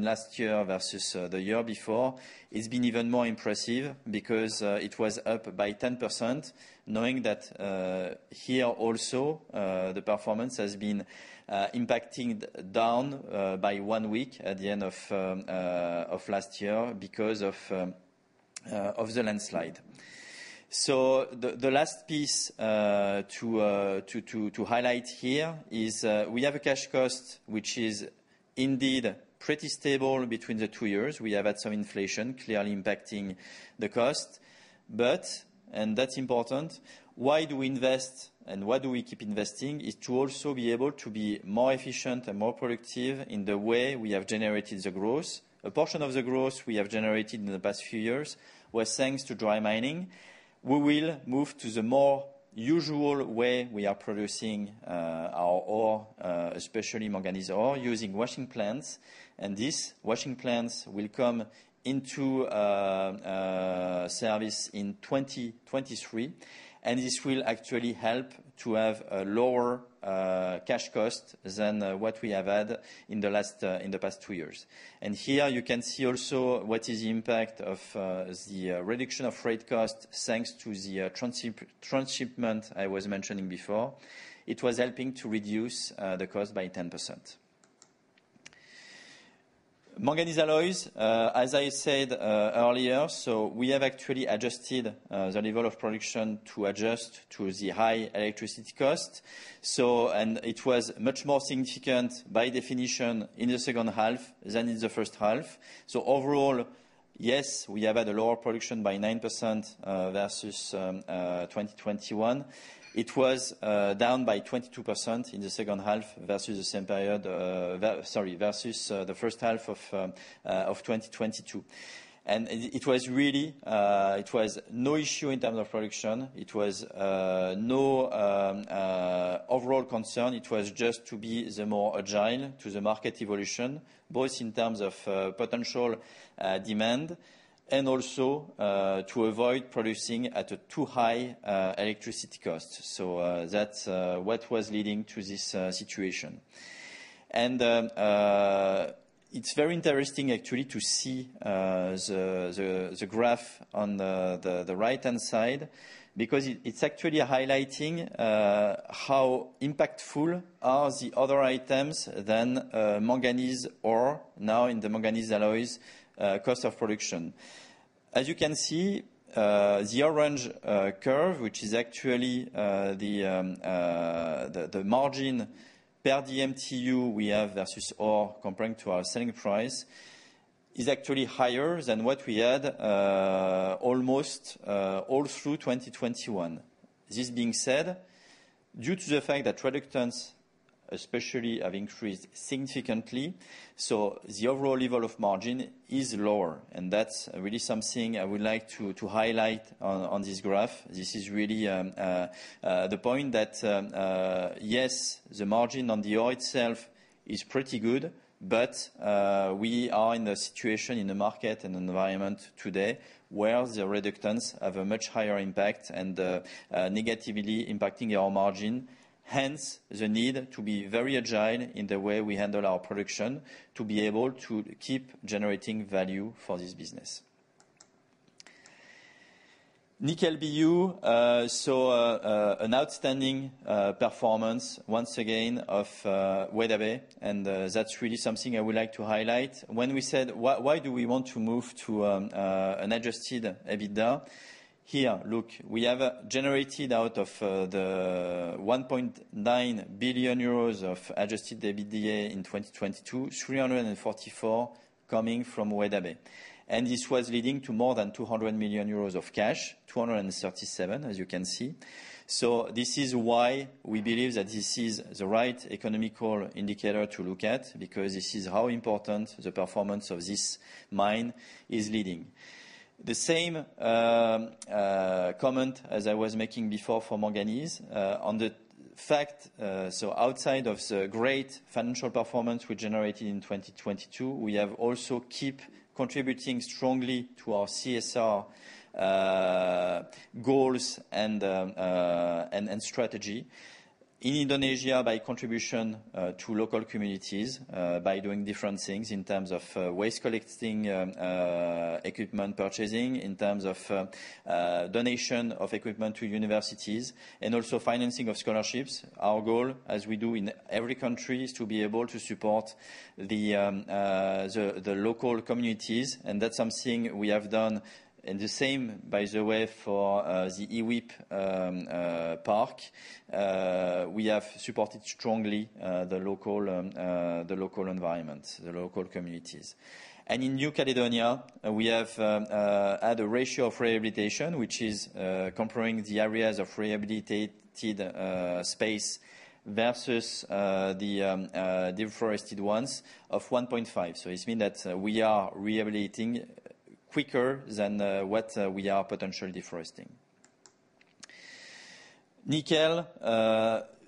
last year versus the year before, it's been even more impressive because it was up by 10%. Knowing that here also the performance has been impacting down by one week at the end of last year because of the landslide. The last piece to highlight here is we have a cash cost which is indeed pretty stable between the two years. We have had some inflation clearly impacting the cost. And that's important, why do we invest and why do we keep investing is to also be able to be more efficient and more productive in the way we have generated the growth. A portion of the growth we have generated in the past few years was thanks to dry mining. We will move to the more usual way we are producing our ore, especially manganese ore, using washing plants. These washing plants will come into service in 2023. This will actually help to have a lower cash cost than what we have had in the past two years. Here you can see also what is the impact of the reduction of freight costs thanks to the transshipment I was mentioning before. It was helping to reduce the cost by 10%. Manganese alloys, as I said earlier, we have actually adjusted the level of production to adjust to the high electricity cost. It was much more significant by definition in the second half than in the first half. Overall, yes, we have had a lower production by 9% versus 2021. It was down by 22% in the second half versus the same period, versus the first half of 2022. It was no issue in terms of production. It was no overall concern. It was just to be the more agile to the market evolution, both in terms of potential demand and also to avoid producing at a too high electricity cost. That's what was leading to this situation. It's very interesting actually to see the graph on the right-hand side because it's actually highlighting how impactful are the other items than manganese ore now in the manganese alloys' cost of production. As you can see, the orange curve, which is actually the margin per DMTU we have versus ore comparing to our selling price, is actually higher than what we had almost all through 2021. This being said, due to the fact that reductants especially have increased significantly, the overall level of margin is lower, and that's really something I would like to highlight on this graph. This is really the point that, yes, the margin on the ore itself is pretty good, but we are in a situation in the market and environment today where the reductants have a much higher impact and negatively impacting our margin, hence the need to be very agile in the way we handle our production to be able to keep generating value for this business. Nickel BU saw an outstanding performance once again of Weda Bay, and that's really something I would like to highlight. When we said why do we want to move to an Adjusted EBITDA? Here, look. We have generated out of the 1.9 billion euros of Adjusted EBITDA in 2022, 344 million coming from Weda Bay. This was leading to more than 200 million euros of cash, 237 million, as you can see. This is why we believe that this is the right economical indicator to look at, because this is how important the performance of this mine is leading. The same comment as I was making before for manganese on the fact, outside of the great financial performance we generated in 2022, we have also keep contributing strongly to our CSR goals and strategy. In Indonesia by contribution to local communities by doing different things in terms of waste collecting, equipment purchasing, in terms of donation of equipment to universities and also financing of scholarships. Our goal, as we do in every country, is to be able to support the local communities, that's something we have done. The same, by the way, for the IWIP park, we have supported strongly the local environment, the local communities. In New Caledonia, we have had a ratio of rehabilitation which is comparing the areas of rehabilitated space versus the deforested ones of 1.5. It mean that we are rehabilitating quicker than what we are potentially deforesting. Nickel,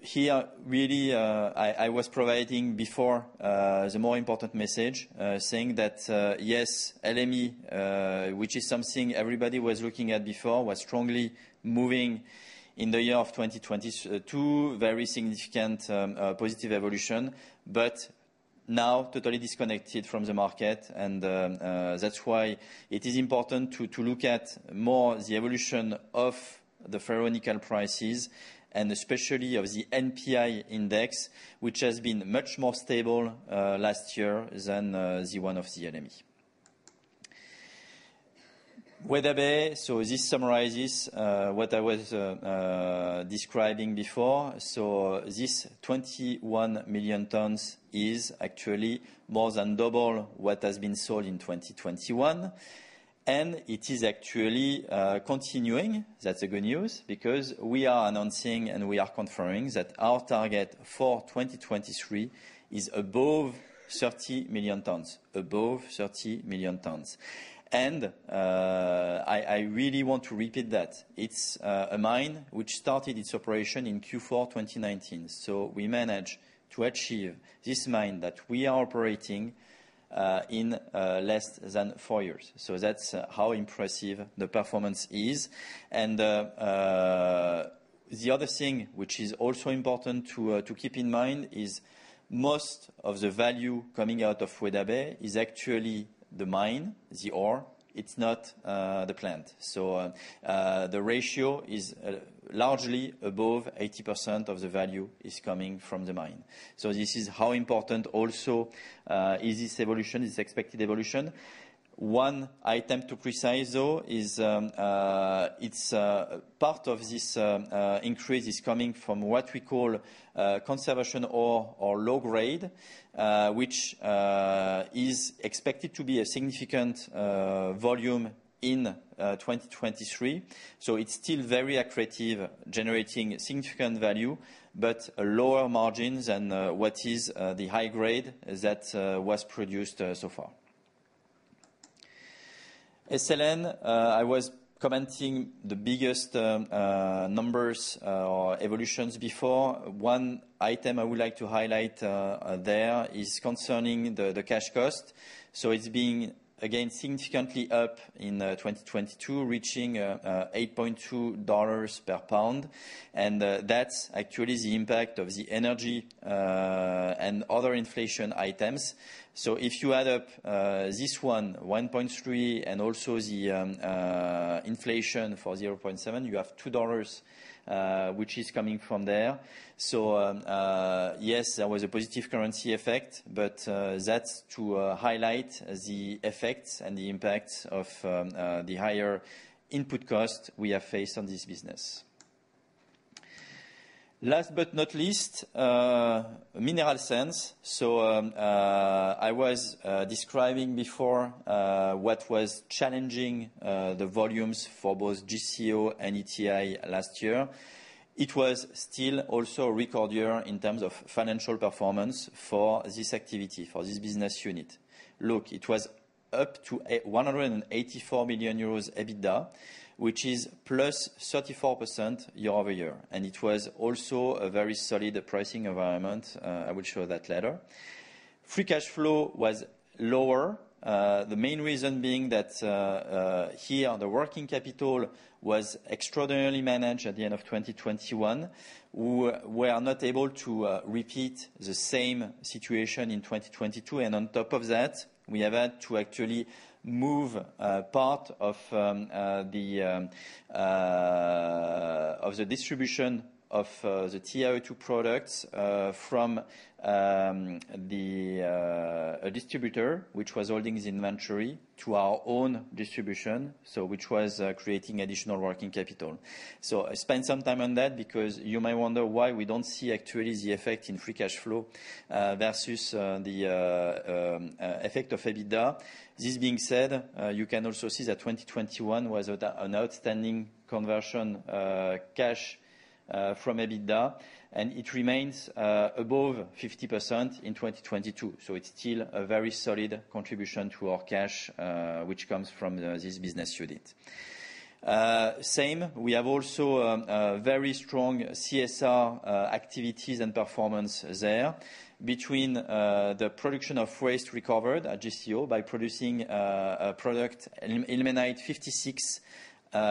here really, I was providing before the more important message, saying that yes, LME, which is something everybody was looking at before, was strongly moving in the year of 2020. Two very significant positive evolution, but now totally disconnected from the market. That's why it is important to look at more the evolution of the ferronickel prices, and especially of the NPI index, which has been much more stable last year than the one of the LME. Weda Bay, this summarizes what I was describing before. This 21 million tons is actually more than double what has been sold in 2021. It is actually continuing. That's a good news because we are announcing and we are confirming that our target for 2023 is above 30 million tons. Above 30 million tons. I really want to repeat that. It's a mine which started its operation in Q4 2019. We managed to achieve this mine that we are operating in less than four years. That's how impressive the performance is. The other thing which is also important to keep in mind is most of the value coming out of Weda Bay is actually the mine, the ore. It's not the plant. The ratio is largely above 80% of the value is coming from the mine. This is how important also is this evolution, this expected evolution. One item to precise though is it's part of this increase is coming from what we call conservation ore or low grade, which is expected to be a significant volume in 2023. It's still very accretive, generating significant value, but lower margins than what is the high grade that was produced so far. SLN, I was commenting the biggest numbers or evolutions before. One item I would like to highlight there is concerning the cash cost. It's being again significantly up in 2022, reaching $8.2 per pound. That's actually the impact of the energy and other inflation items. If you add up this one, $1.3, and also the inflation for $0.7, you have $2, which is coming from there. Yes, there was a positive currency effect, but that's to highlight the effects and the impacts of the higher input cost we have faced on this business. Last but not least, mineral sands. I was describing before what was challenging the volumes for both GCO and ETI last year. It was still also a record year in terms of financial performance for this activity, for this business unit. Look, it was up to 184 million euros EBITDA, which is +34% year-over-year. It was also a very solid pricing environment. I will show that later. Free cash flow was lower. The main reason being that here, the working capital was extraordinarily managed at the end of 2021. We are not able to repeat the same situation in 2022. On top of that, we have had to actually move part of the distribution of the TiO2 products from the distributor which was holding the inventory to our own distribution, so which was creating additional working capital. I spent some time on that because you may wonder why we don't see actually the effect in free cash flow versus the effect of EBITDA. This being said, you can also see that 2021 was an outstanding conversion cash from EBITDA, and it remains above 50% in 2022. It's still a very solid contribution to our cash which comes from this business unit. Same, we have also very strong CSR activities and performance there between the production of waste recovered at GCO by producing a product Ilmenite 56,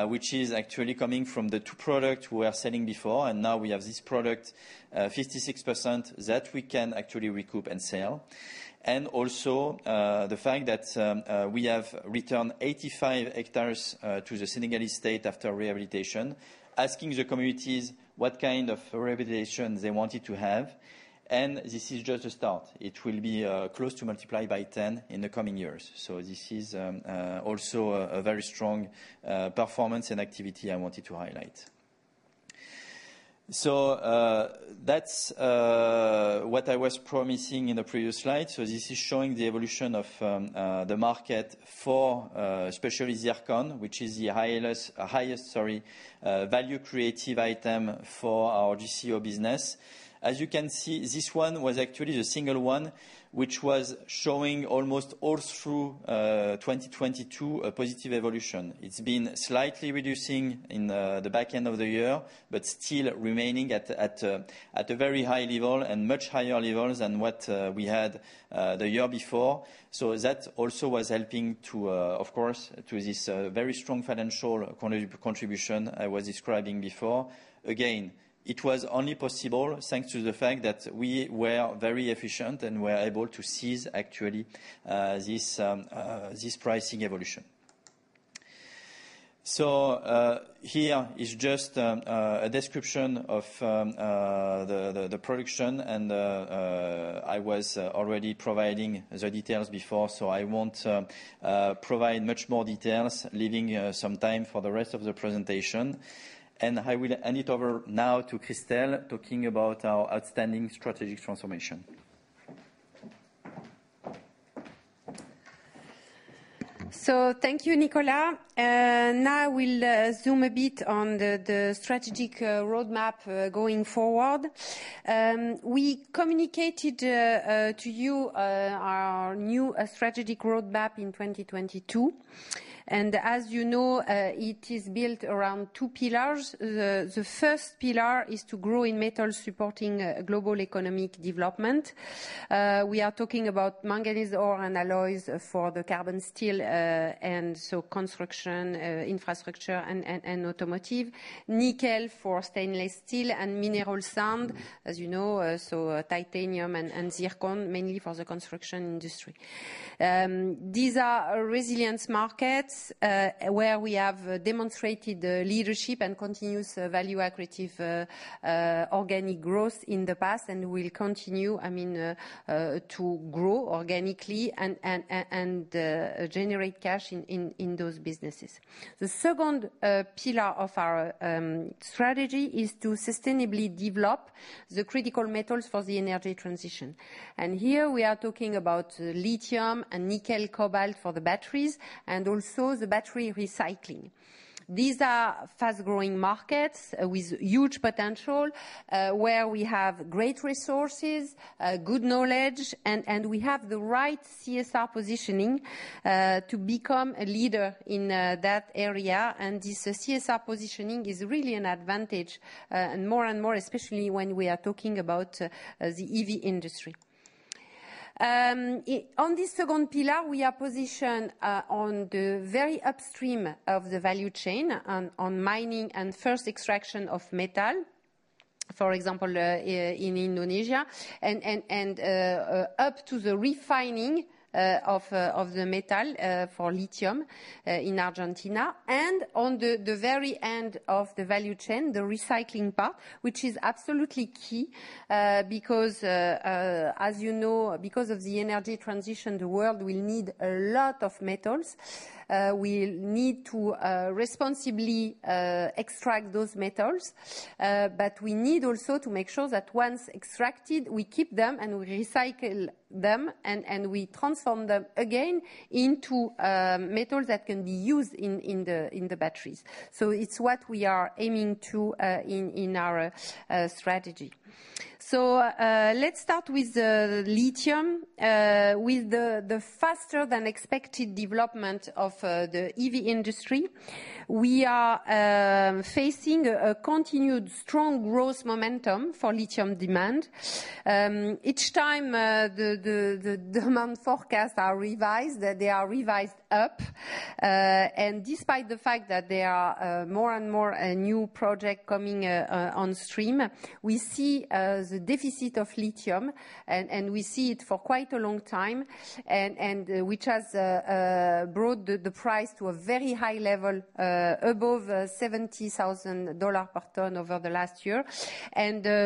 which is actually coming from the two product we were selling before. Now we have this product, 56% that we can actually recoup and sell. The fact that we have returned 85 hectares to the Senegalese state after rehabilitation, asking the communities what kind of rehabilitation they wanted to have. This is just a start. It will be close to multiply by 10 in the coming years. This is also a very strong performance and activity I wanted to highlight. That's what I was promising in the previous slide. This is showing the evolution of the market for especially zircon, which is the highest, sorry, value creative item for our GCO business. As you can see, this one was actually the single one which was showing almost all through 2022 a positive evolution. It's been slightly reducing in the back end of the year, but still remaining at a very high level and much higher levels than what we had the year before. That also was helping to of course, to this very strong financial contribution I was describing before. It was only possible thanks to the fact that we were very efficient and were able to seize actually this pricing evolution. Here is just a description of the production and I was already providing the details before, so I won't provide much more details, leaving some time for the rest of the presentation. I will hand it over now to Christel talking about our outstanding strategic transformation. Thank you, Nicolas. Now I will zoom a bit on the strategic roadmap going forward. We communicated to you our new strategic roadmap in 2022. As you know, it is built around two pillars. The first pillar is to grow in metal supporting global economic development. We are talking about manganese ore and alloys for the carbon steel, construction, infrastructure and automotive. Nickel for stainless steel and mineral sand, as you know, so titanium and zircon, mainly for the construction industry. These are resilience markets where we have demonstrated leadership and continuous value accretive organic growth in the past and will continue, I mean, to grow organically and generate cash in those businesses. The second pillar of our strategy is to sustainably develop the critical metals for the energy transition. Here we are talking about lithium and nickel cobalt for the batteries and also the battery recycling. These are fast-growing markets with huge potential, where we have great resources, good knowledge and we have the right CSR positioning to become a leader in that area. This CSR positioning is really an advantage and more and more especially when we are talking about the EV industry. On this second pillar, we are positioned on the very upstream of the value chain on mining and first extraction of metal, for example, in Indonesia and up to the refining of the metal for lithium in Argentina. On the very end of the value chain, the recycling part, which is absolutely key, because, as you know, because of the energy transition, the world will need a lot of metals. We'll need to responsibly extract those metals. We need also to make sure that once extracted, we keep them and we recycle them and we transform them again into metals that can be used in the batteries. It's what we are aiming to in our strategy. Let's start with the lithium. With the faster than expected development of the EV industry, we are facing a continued strong growth momentum for lithium demand. Each time the demand forecasts are revised, they are revised up. Despite the fact that there are more and more new project coming on stream, we see the deficit of lithium and we see it for quite a long time and which has brought the price to a very high level above $70,000 per ton over the last year.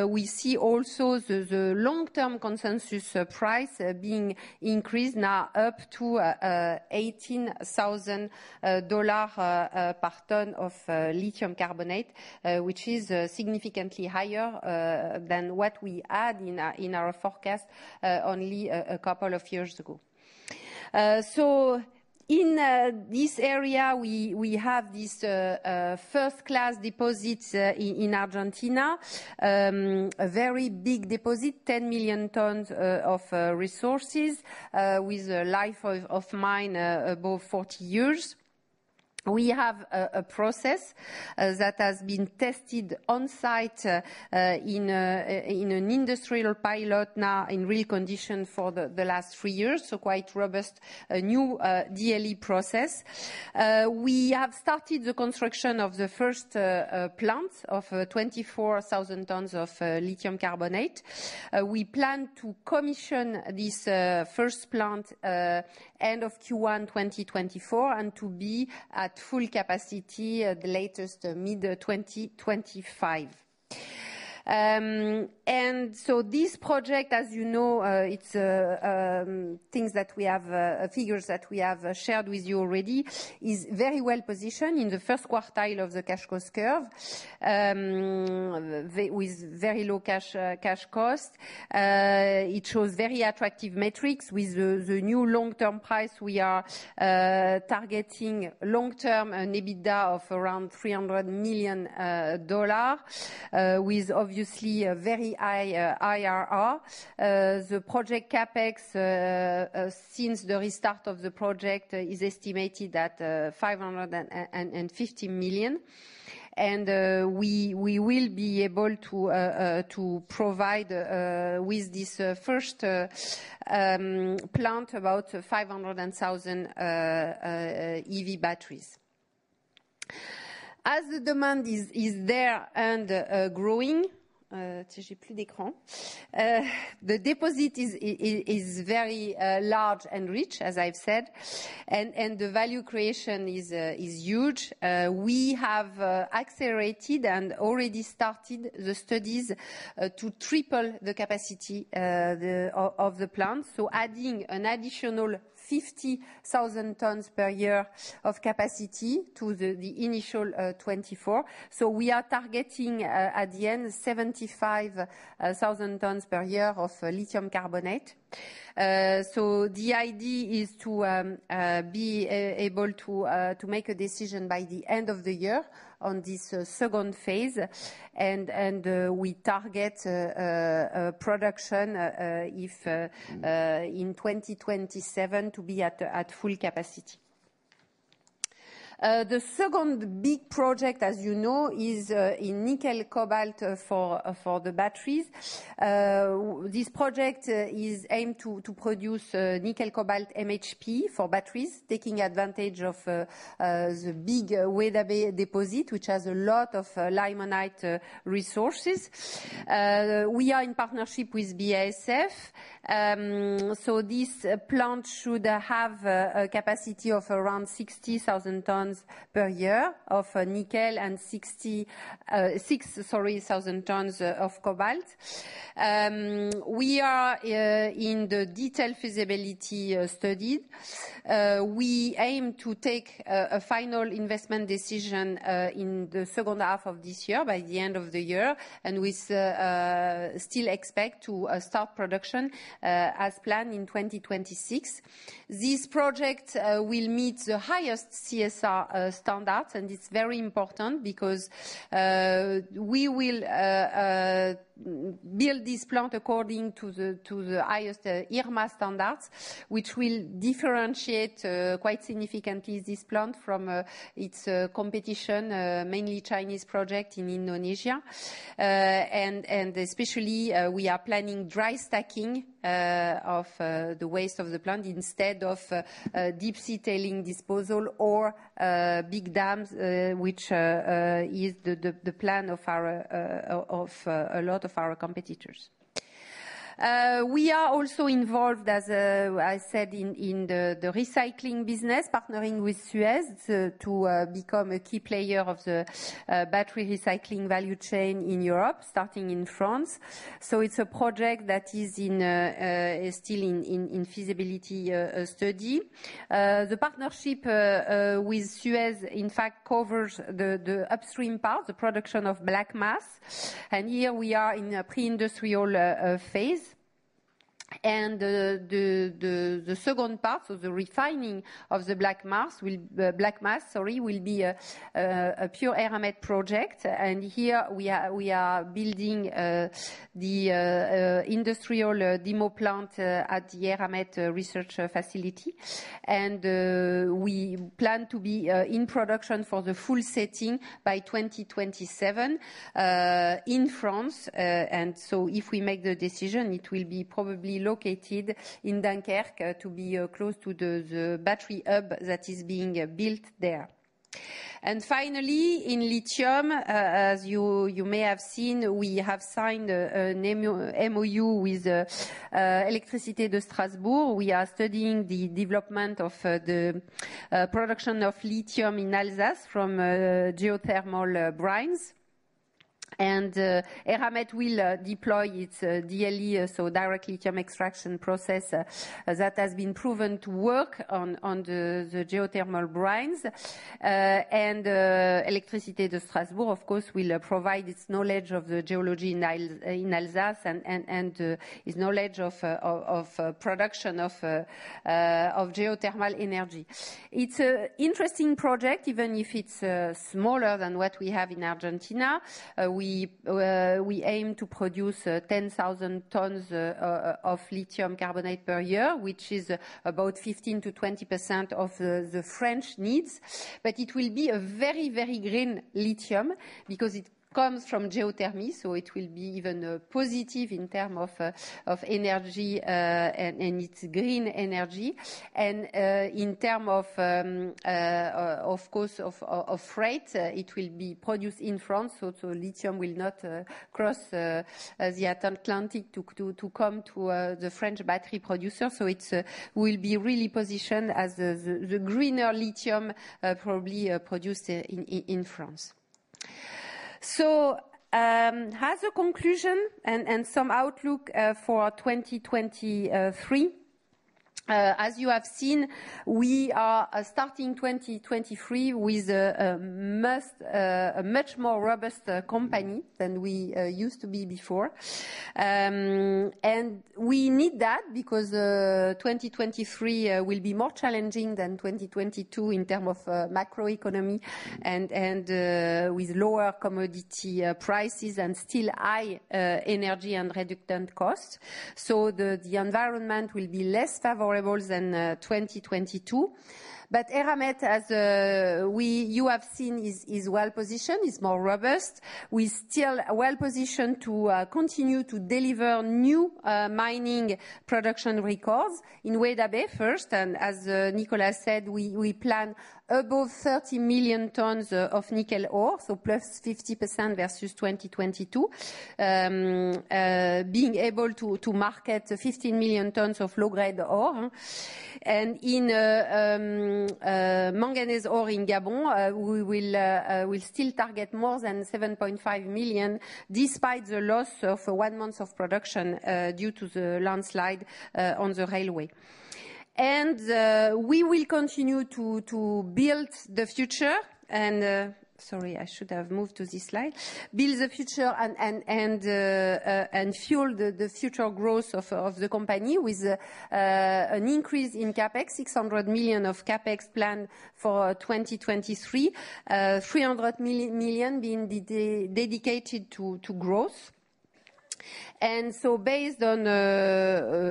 We see also the long-term consensus price being increased now up to $18,000 per ton of lithium carbonate, which is significantly higher than what we had in our, in our forecast only a couple of years ago. In this area, we have this first-class deposits in Argentina. A very big deposit, 10 million tons of resources with a life of mine above 40 years. We have a process that has been tested on site in an industrial pilot now in real condition for the last three years. Quite robust, a new DLE process. We have started the construction of the first plant of 24,000 tons of lithium carbonate. We plan to commission this first plant end of Q1 2024 and to be at full capacity at the latest mid-2025. This project, as you know, it's things that we have figures that we have shared with you already, is very well positioned in the 1st quartile of the cash cost curve. With very low cash cost. It shows very attractive metrics. With the new long-term price, we are targeting long-term EBITDA of around $300 million, with obviously a very high IRR. The project CapEx, since the restart of the project, is estimated at $550 million. We will be able to provide with this first plant about 500,000 EV batteries. As the demand is there and growing, the deposit is very large and rich, as I've said. The value creation is huge. We have accelerated and already started the studies to triple the capacity of the plant. Adding an additional 50,000 tons per year of capacity to the initial 24,000. We are targeting at the end 75,000 tons per year of lithium carbonate. The idea is to be able to make a decision by the end of the year on this second phase. We target production if in 2027 to be at full capacity. The second big project, as you know, is in nickel cobalt for the batteries. This project is aimed to produce nickel cobalt MHP for batteries, taking advantage of the big Weda Bay deposit, which has a lot of limonite resources. We are in partnership with BASF. This plant should have a capacity of around 60,000 tons per year of nickel and 66,000 tons of cobalt. We are in the detailed feasibility study. We aim to take a final investment decision in the second half of this year, by the end of the year, we still expect to start production as planned in 2026. This project will meet the highest CSR standards, it's very important because we will build this plant according to the highest IRMA standards, which will differentiate quite significantly this plant from its competition, mainly Chinese project in Indonesia. Especially, we are planning dry stacking of the waste of the plant instead of deep-sea tailing disposal or big dams, which is the plan of a lot of our competitors. We are also involved, as I said, in the recycling business, partnering with Suez to become a key player of the battery recycling value chain in Europe, starting in France. It's a project that is still in feasibility study. The partnership with Suez, in fact, covers the upstream part, the production of black mass. Here we are in a pre-industrial phase. The second part of the refining of the black mass will be a pure Eramet project. Here we are building the industrial demo plant at the Eramet research facility. We plan to be in production for the full setting by 2027 in France. If we make the decision, it will be probably located in Dunkerque to be close to the battery hub that is being built there. Finally, in lithium, as you may have seen, we have signed an MOU with Électricité de Strasbourg. We are studying the development of the production of lithium in Alsace from geothermal brines. Eramet will deploy its DLE, so direct lithium extraction process that has been proven to work on the geothermal brines. Électricité de Strasbourg, of course, will provide its knowledge of the geology in Alsace and its knowledge of production of geothermal energy. It's an interesting project, even if it's smaller than what we have in Argentina. We aim to produce 10,000 tons of lithium carbonate per year, which is about 15%-20% of the French needs. It will be a very, very green lithium because it comes from geothermal, so it will be even positive in term of energy, and it's green energy. In term of course, of freight, it will be produced in France, so lithium will not cross the Atlantic to come to the French battery producer. It will be really positioned as the greener lithium, probably produced in France. As a conclusion and some outlook for 2023. As you have seen, we are starting 2023 with a much more robust company than we used to be before. We need that because 2023 will be more challenging than 2022 in term of macro economy and with lower commodity prices and still high energy and reductant costs. The environment will be less favorable than 2022. Eramet as you have seen is well positioned, is more robust. We still well positioned to continue to deliver new mining production records in Weda Bay first, and as Nicolas said, we plan above 30 million tons of nickel ore, so +50% versus 2022. being able to market 15 million tons of low-grade ore. In manganese ore in Gabon, we will still target more than 7.5 million, despite the loss of one month of production due to the landslide on the railway. We will continue to build the future and, sorry, I should have moved to this slide. Build the future and fuel the future growth of the company with an increase in CapEx, 600 million of CapEx plan for 2023. 300 million being dedicated to growth. Based on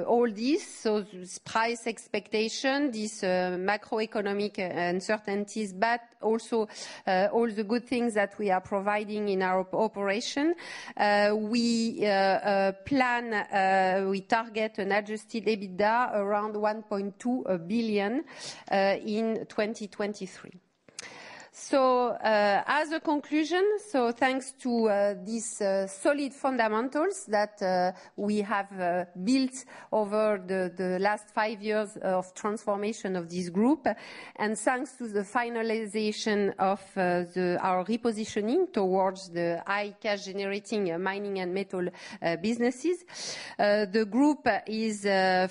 all this price expectation, this macroeconomic uncertainties, but also all the good things that we are providing in our operation, we target an Adjusted EBITDA around 1.2 billion in 2023. As a conclusion, thanks to this solid fundamentals that we have built over the last five years of transformation of this group, and thanks to the finalization of our repositioning towards the high cash generating mining and metal businesses. The group is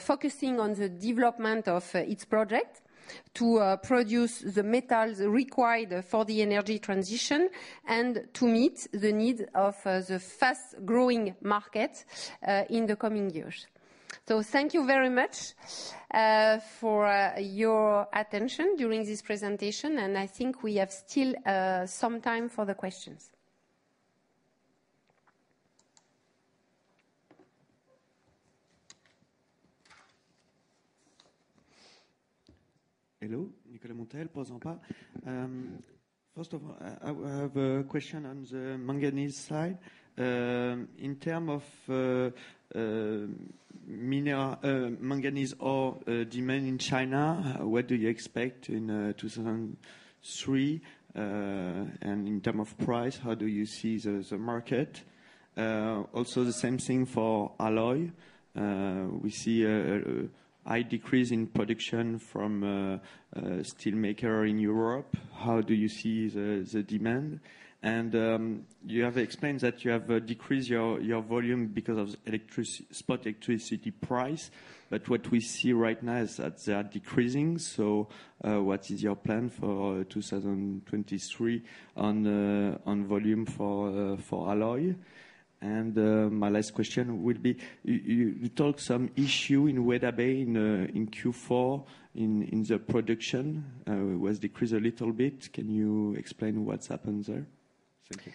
focusing on the development of its project to produce the metals required for the energy transition and to meet the need of the fast growing market in the coming years. Thank you very much, for your attention during this presentation, and I think we have still some time for the questions. Hello. Nicolas Montel, Portzamparc. First of all, I have a question on the manganese side. In terms of miner manganese ore demand in China, what do you expect in 2003? In terms of price, how do you see the market? Also the same thing for alloy. We see a high decrease in production from steelmaker in Europe. How do you see the demand? You have explained that you have decreased your volume because of spot electricity price, but what we see right now is that they are decreasing. What is your plan for 2023 on volume for alloy? My last question would be, you talk some issue in Weda Bay in Q4 in the production. It was decreased a little bit. Can you explain what's happened there? Thank you.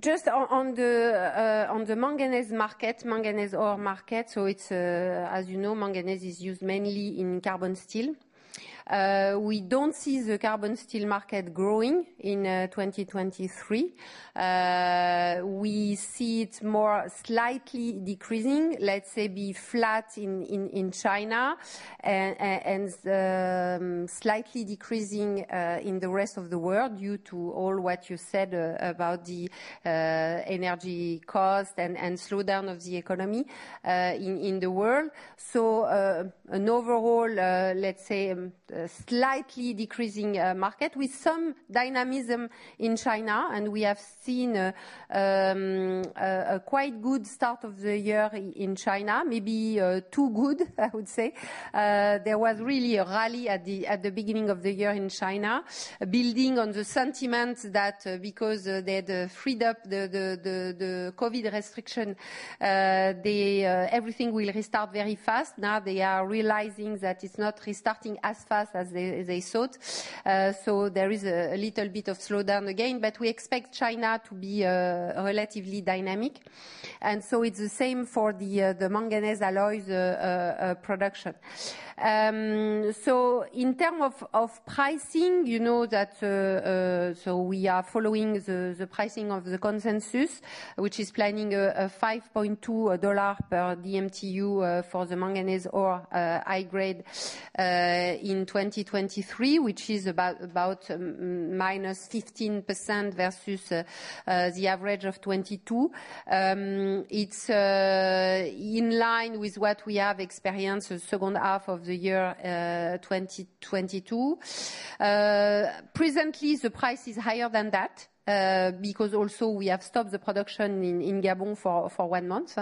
Just on the manganese market, manganese ore market, so it's, as you know, manganese is used mainly in carbon steel. We don't see the carbon steel market growing in 2023. We see it more slightly decreasing, let's say be flat in China and slightly decreasing in the rest of the world due to all what you said about the energy cost and slowdown of the economy in the world. So, an overall, let's say slightly decreasing market with some dynamism in China. And we have seen a quite good start of the year in China. Maybe too good, I would say. There was really a rally at the beginning of the year in China, building on the sentiment that because they'd freed up the COVID restriction, they everything will restart very fast. Now they are realizing that it's not restarting as fast as they thought. There is a little bit of slowdown again, but we expect China to be relatively dynamic. It's the same for the manganese alloys production. In term of pricing, you know that we are following the pricing of the consensus, which is planning a $5.2 per DMTU for the manganese ore high grade in 2023, which is about -15% versus the average of 2022. It's in line with what we have experienced the second half of the year, 2022. Presently, the price is higher than that, because also we have stopped the production in Gabon for one month,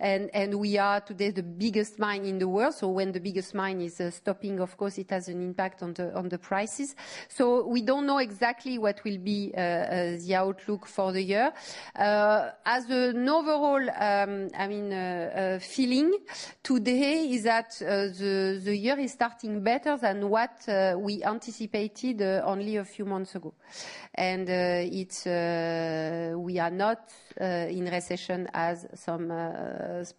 and we are today the biggest mine in the world. When the biggest mine is stopping, of course it has an impact on the prices. We don't know exactly what will be the outlook for the year. As an overall, I mean, feeling today is that the year is starting better than what we anticipated only a few months ago. It's we are not in recession as some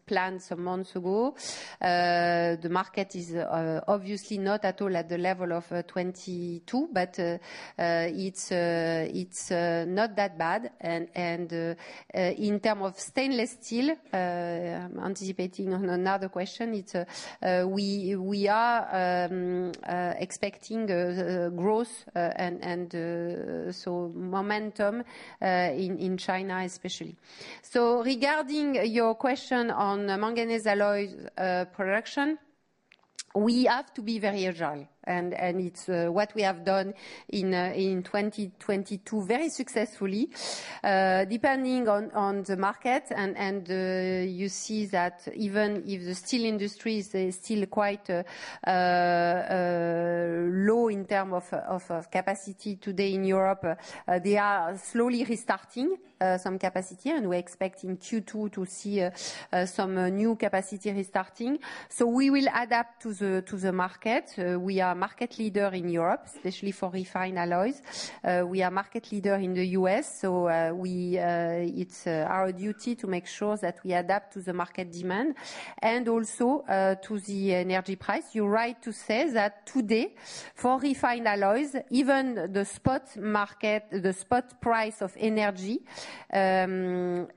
planned some months ago. The market is obviously not at all at the level of 2022, it's not that bad. In terms of stainless steel, anticipating on another question, it's we are expecting the growth and momentum in China especially. Regarding your question on manganese alloys production, we have to be very agile and it's what we have done in 2022 very successfully, depending on the market and you see that even if the steel industry is still quite low in terms of capacity today in Europe, they are slowly restarting some capacity and we're expecting Q2 to see some new capacity restarting. We will adapt to the market. We are market leader in Europe, especially for refined alloys. We are market leader in the U.S., so we, it's our duty to make sure that we adapt to the market demand and also to the energy price. You're right to say that today, for refined alloys, even the spot market, the spot price of energy,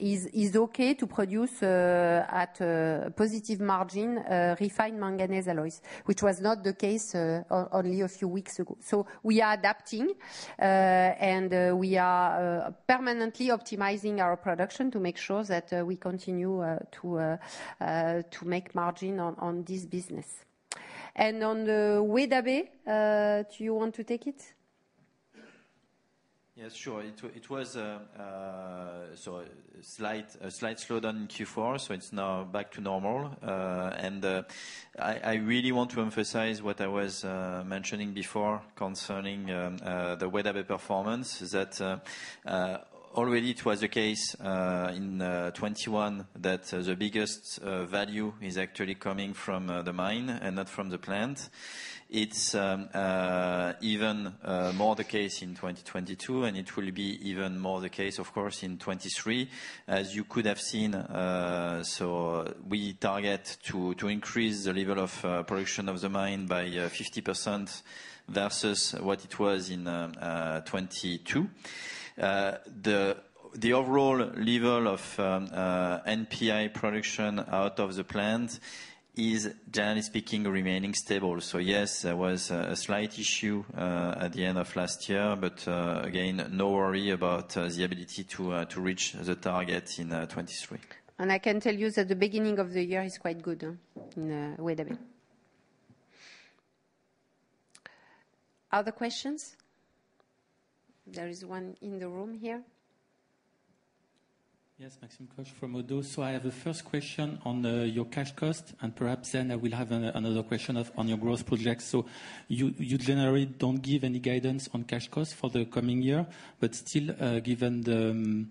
is okay to produce at a positive margin, refined manganese alloys, which was not the case only a few weeks ago. We are adapting, and we are permanently optimizing our production to make sure that we continue to make margin on this business. On the Weda Bay, do you want to take it? Yeah, sure. It was a slight slowdown in Q4. It's now back to normal. I really want to emphasize what I was mentioning before concerning the Weda Bay performance is that already it was the case in 2021 that the biggest value is actually coming from the mine and not from the plant. It's even more the case in 2022. It will be even more the case, of course, in 2023. As you could have seen, we target to increase the level of production of the mine by 50% versus what it was in 2022. The overall level of NPI production out of the plant is, generally speaking, remaining stable. Yes, there was a slight issue at the end of last year, but again, no worry about the ability to reach the target in 2023. I can tell you that the beginning of the year is quite good in Weda Bay. Other questions? There is one in the room here. Yes, Maxime Kogge from Oddo. I have a first question on your cash cost, and perhaps then I will have another question on your growth projects. You generally don't give any guidance on cash costs for the coming year. Still, given the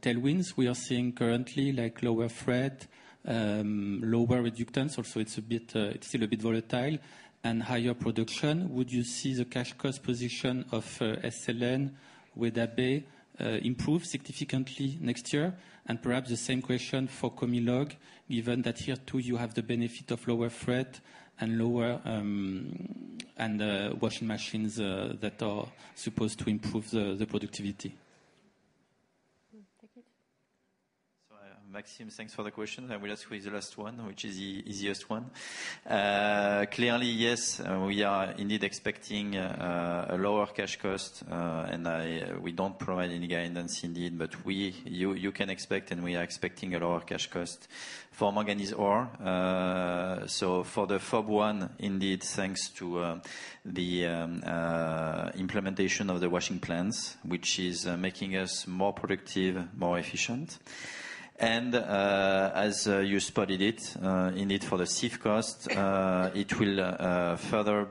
tailwinds we are seeing currently, like lower freight, lower reductants, also it's a bit, it's still a bit volatile, and higher production, would you see the cash cost position of SLN, Weda Bay, improve significantly next year? Perhaps the same question for Comilog, given that here too, you have the benefit of lower freight and lower, and washing machines that are supposed to improve the productivity? Take it. Maxime, thanks for the question. I will answer the last one, which is the easiest one. Clearly, yes, we are indeed expecting a lower cash cost, and we don't provide any guidance indeed, but we, you can expect and we are expecting a lower cash cost for manganese ore. For the FOB, indeed, thanks to the implementation of the washing plants, which is making us more productive, more efficient. As you spotted it, indeed, for the CIF cost, it will further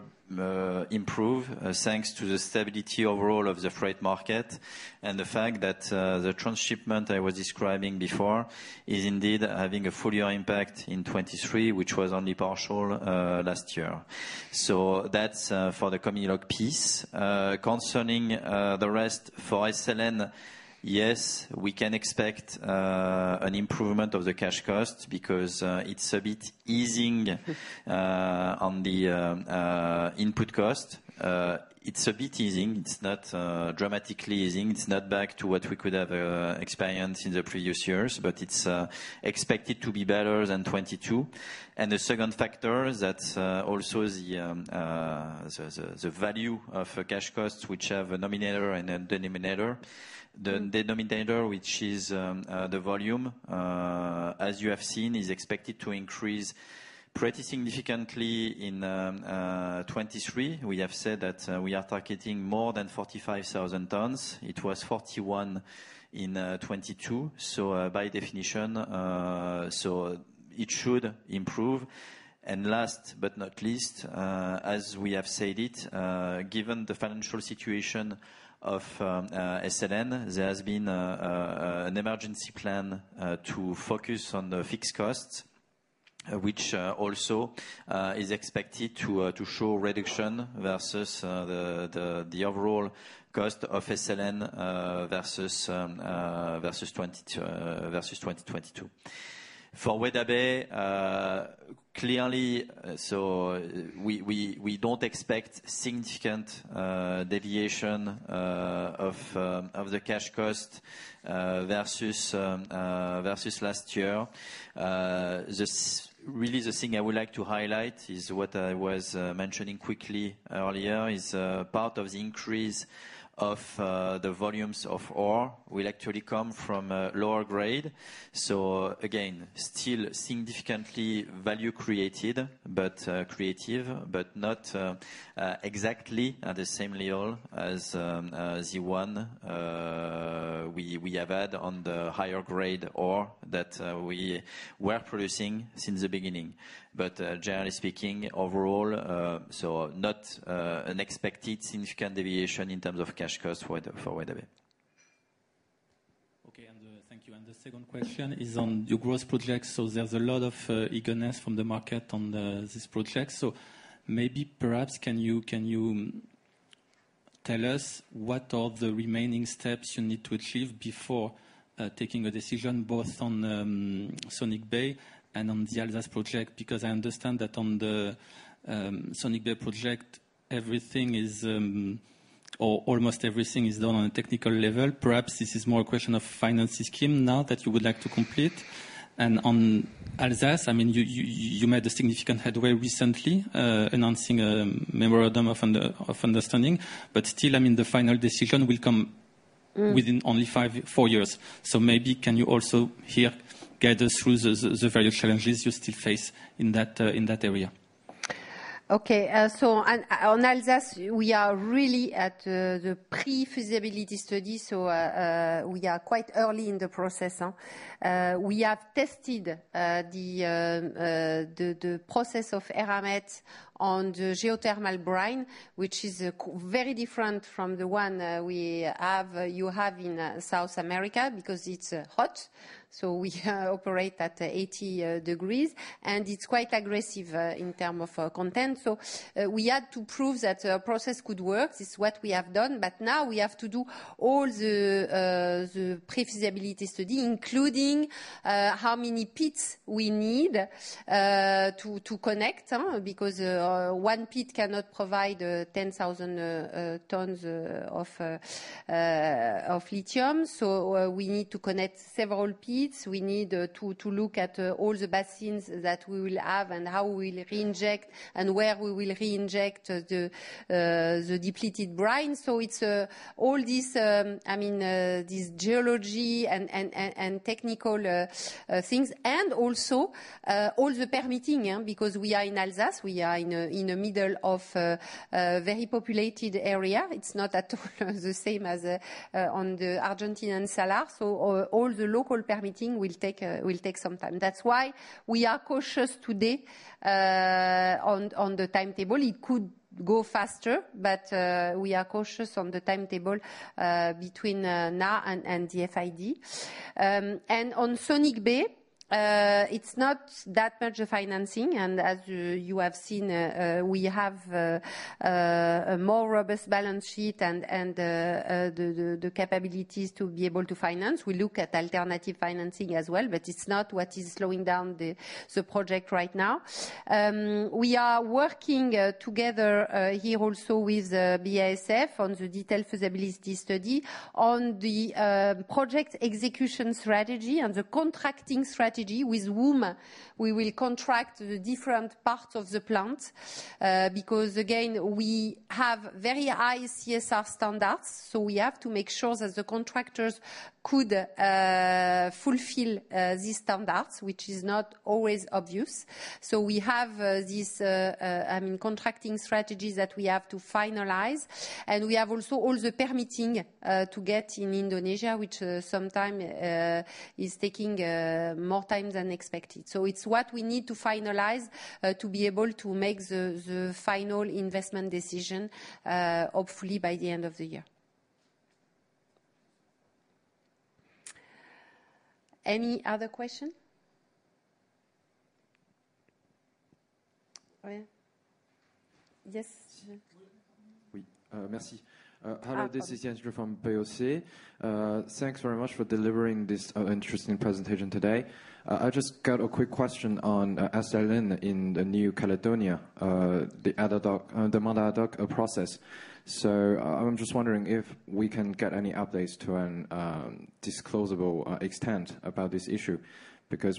improve thanks to the stability overall of the freight market and the fact that the transshipment I was describing before is indeed having a full year impact in 2023, which was only partial last year. That's for the Comilog piece. Concerning the rest for SLN, yes, we can expect an improvement of the cash cost because it's a bit easing on the input cost. It's a bit easing. It's not dramatically easing. It's not back to what we could have experienced in the previous years, but it's expected to be better than 2022. The second factor, that's also the value of cash costs, which have a nominator and a denominator. The denominator, which is the volume, as you have seen, is expected to increase pretty significantly in 2023. We have said that we are targeting more than 45,000 tons. It was 41,000 in 2022. By definition, so it should improve. Last but not least, as we have said it, given the financial situation of SLN, there has been an emergency plan to focus on the fixed costs, which also is expected to show reduction versus the overall cost of SLN, versus 2022. For Weda Bay, clearly, we don't expect significant deviation of the cash cost versus last year. Just really the thing I would like to highlight is what I was mentioning quickly earlier, part of the increase of the volumes of ore will actually come from a lower grade. Again, still significantly value created, but creative, but not exactly at the same level as the one we have had on the higher grade ore that we were producing since the beginning. Generally speaking, overall, not an expected significant deviation in terms of cash cost for Weda Bay. Thank you. The second question is on your growth projects. There's a lot of eagerness from the market on this project. Maybe perhaps can you tell us what are the remaining steps you need to achieve before taking a decision both on Sonic Bay and on the Alsace project? I understand that on the Sonic Bay project, everything is or almost everything is done on a technical level. Perhaps this is more a question of finance scheme now that you would like to complete. On Alsace, I mean, you made a significant headway recently announcing a memorandum of understanding, but still, I mean, the final decision will come... Mm. within only five, four years. Maybe can you also here guide us through the various challenges you still face in that area? Okay. On Alsace, we are really at the pre-feasibility study. We are quite early in the process. We have tested the process of Eramet on the geothermal brine, which is very different from the one we have, you have in South America because it's hot. We operate at 80 degrees, and it's quite aggressive in term of content. We had to prove that our process could work. This is what we have done. Now we have to do all the pre-feasibility study, including how many pits we need to connect, huh? Because one pit cannot provide 10,000 tons of lithium. We need to connect several pits. We need to look at all the basins that we will have and how we'll reinject and where we will reinject the depleted brine. I mean, this geology and technical things and also all the permitting, yeah, because we are in Alsace. We are in a middle of a very populated area. It's not at all the same as on the Argentinean Salar. All the local permitting will take some time. That's why we are cautious today on the timetable. It could go faster, but we are cautious on the timetable between now and the FID. On Sonic Bay, it's not that much a financing. As you have seen, we have a more robust balance sheet and the capabilities to be able to finance. We look at alternative financing as well, but it's not what is slowing down the project right now. We are working together here also with BASF on the detailed feasibility study on the project execution strategy and the contracting strategy with whom we will contract the different parts of the plant. Again, we have very high CSR standards, so we have to make sure that the contractors could fulfill these standards, which is not always obvious. We have, I mean, contracting strategies that we have to finalize, and we have also all the permitting to get in Indonesia, which sometime is taking more time than expected. It's what we need to finalize to be able to make the final investment decision hopefully by the end of the year. Any other question? Oh, yeah. Yes. Merci. Hello, this is Andrew from BOC. Thanks very much for delivering this interesting presentation today. I just got a quick question on SLN in New Caledonia, the Mandat Ad Hoc process. I'm just wondering if we can get any updates to an disclosable extent about this issue.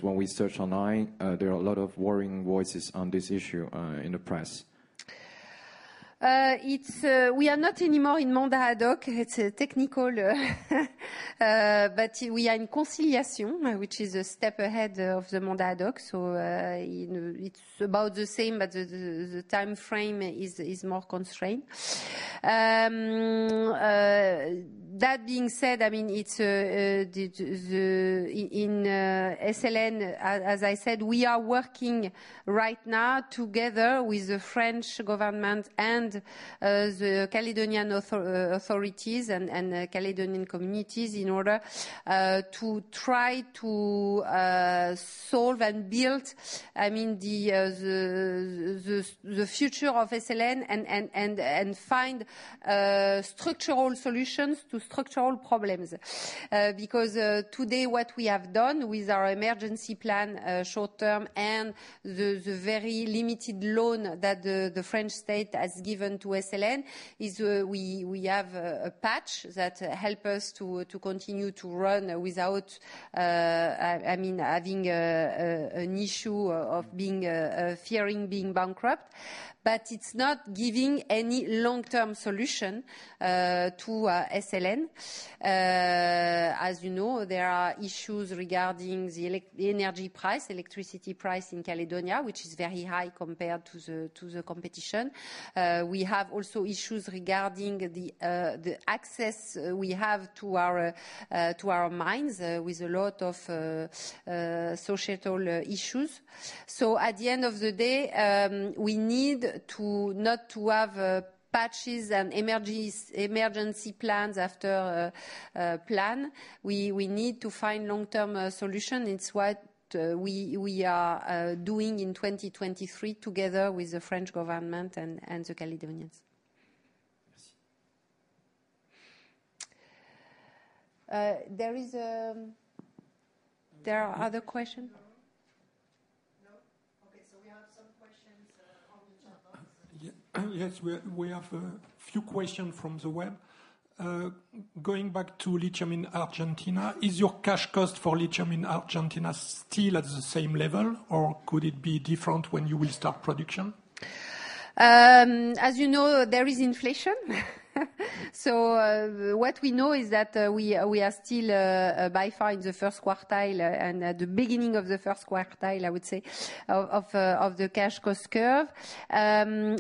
When we search online, there are a lot of worrying voices on this issue in the press. It's we are not anymore in Mandat Ad Hoc. It's a technical, but we are in Conciliation, which is a step ahead of the Mandat Ad Hoc. You know, it's about the same, but the timeframe is more constrained. That being said, I mean, it's in SLN, as I said, we are working right now together with the French government and the Caledonian authorities and Caledonian communities in order to try to solve and build, I mean, the future of SLN and find structural solutions to structural problems. Because today what we have done with our emergency plan, short term and the very limited loan that the French state has given to SLN is, we have a patch that help us to continue to run without, I mean, having an issue of being fearing being bankrupt. It's not giving any long-term solution to SLN. As you know, there are issues regarding the energy price, electricity price in Caledonia, which is very high compared to the competition. We have also issues regarding the access we have to our to our mines, with a lot of societal issues. At the end of the day, we need to not to have patches and emergency plans after plan. We need to find long-term solution. It's what we are doing in 2023 together with the French government and the Caledonians. There are other question? No. No. Okay, we have some questions on the chat box. Yes, we have a few question from the web. Going back to lithium in Argentina, is your cash cost for lithium in Argentina still at the same level, or could it be different when you will start production? As you know, there is inflation. What we know is that, we are still by far in the first quartile and at the beginning of the first quartile, I would say, of the cash cost curve.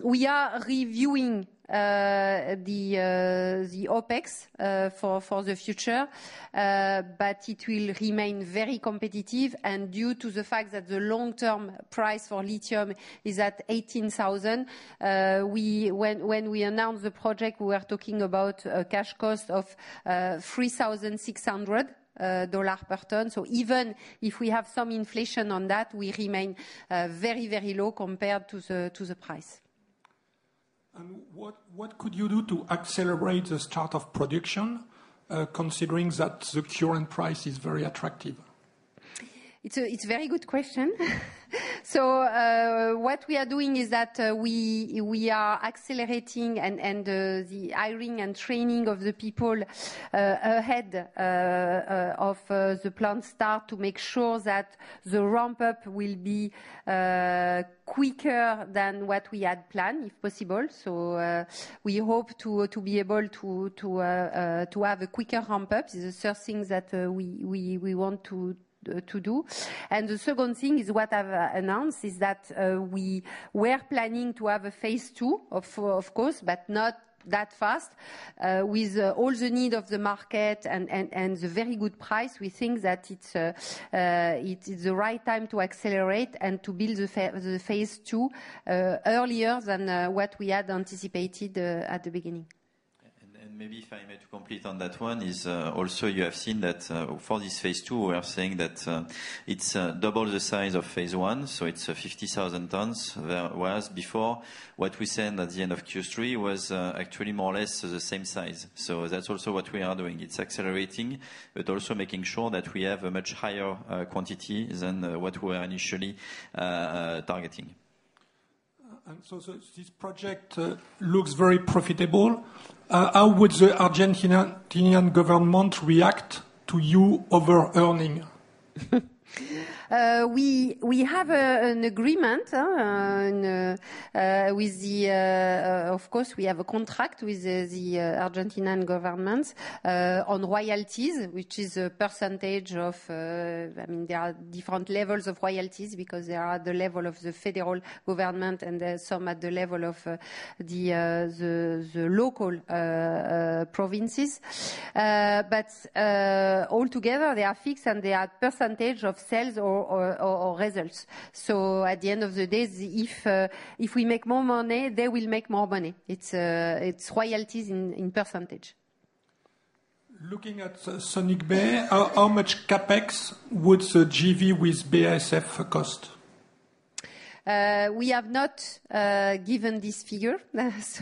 We are reviewing the OpEx for the future, but it will remain very competitive and due to the fact that the long-term price for lithium is at $18,000. When we announced the project, we were talking about a cash cost of $3,600 per ton. Even if we have some inflation on that, we remain very, very low compared to the price. What could you do to accelerate the start of production, considering that the current price is very attractive? It's a very good question. What we are doing is that, we are accelerating and the hiring and training of the people ahead of the plan start to make sure that the ramp-up will be quicker than what we had planned, if possible. We hope to be able to have a quicker ramp-up is the first thing that we want to do. The second thing is what I've announced, is that, we were planning to have a phase II, of course, but not that fast. With all the need of the market and the very good price, we think that it's, it is the right time to accelerate and to build the phase II, earlier than what we had anticipated at the beginning. Maybe if I may to complete on that one is also you have seen that for this phase II, we are saying that it's double the size of phase I, so it's 50,000 tons. There was before, what we said at the end of Q3 was actually more or less the same size. That's also what we are doing. It's accelerating, but also making sure that we have a much higher quantity than what we are initially targeting. This project looks very profitable. How would the Argentinian government react to you overearning? We have an agreement on with the, of course, we have a contract with the Argentinian government on royalties, which is a percentage of. I mean, there are different levels of royalties because they are the level of the federal government, and there are some at the level of the local provinces. All together, they are fixed, and they are percentage of sales or results. At the end of the day, if we make more money, they will make more money. It's royalties in percentage. Looking at Sonic Bay, how much CapEx would the JV with BASF cost? We have not given this figure. This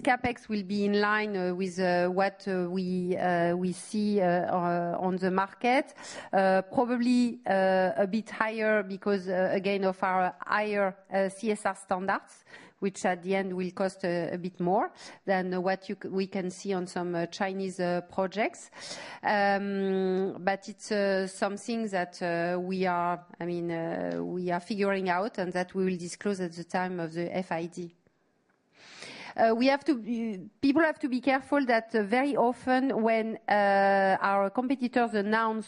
CapEx will be in line with what we see on the market. Probably a bit higher because again, of our higher CSR standards, which at the end will cost a bit more than what we can see on some Chinese projects. It's something that we are, I mean, we are figuring out and that we will disclose at the time of the FID. People have to be careful that very often when our competitors announce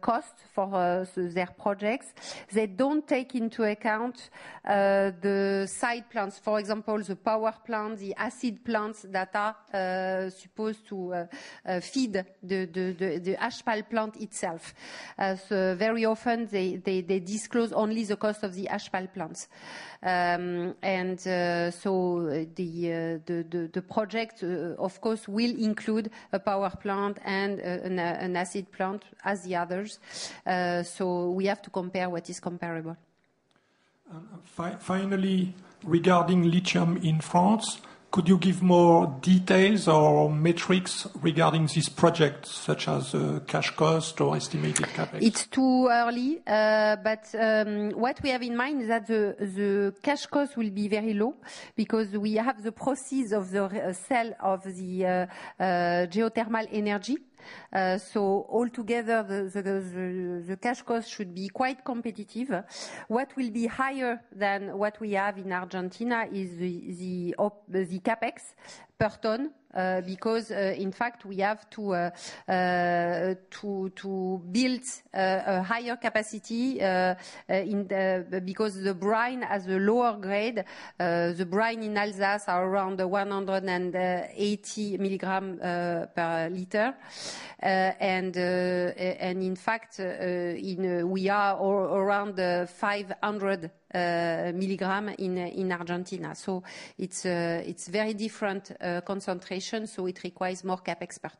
cost for their projects, they don't take into account the site plans. For example, the power plant, the acid plants that are supposed to feed the asphalt plant itself. Very often they disclose only the cost of the asphalt plants. The project, of course, will include a power plant and an acid plant as the others. We have to compare what is comparable. Finally, regarding lithium in France, could you give more details or metrics regarding this project, such as cash cost or estimated CapEx? It's too early. What we have in mind is that the cash cost will be very low because we have the proceeds of the sale of the geothermal energy. Altogether, the cash cost should be quite competitive. What will be higher than what we have in Argentina is the CapEx per ton because in fact, we have to build a higher capacity. Because the brine has a lower grade. The brine in Alsace are around 180 mg per liter. And in fact, in we are around 500 mg in Argentina. It's very different concentration, so it requires more CapEx per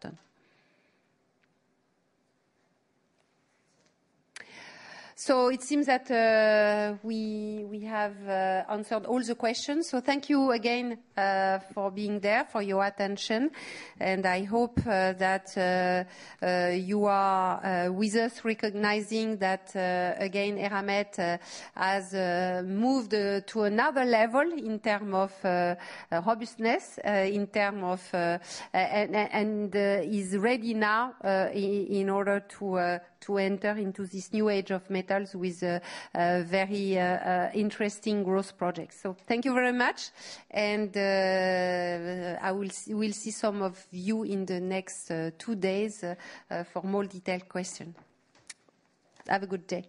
ton. It seems that we have answered all the questions. Thank you again for being there, for your attention, and I hope that you are with us recognizing that again, Eramet has moved to another level in terms of robustness, in terms of, and is ready now in order to enter into this new age of metals with a very interesting growth project. Thank you very much, and I will see some of you in the next two days for more detailed question. Have a good day.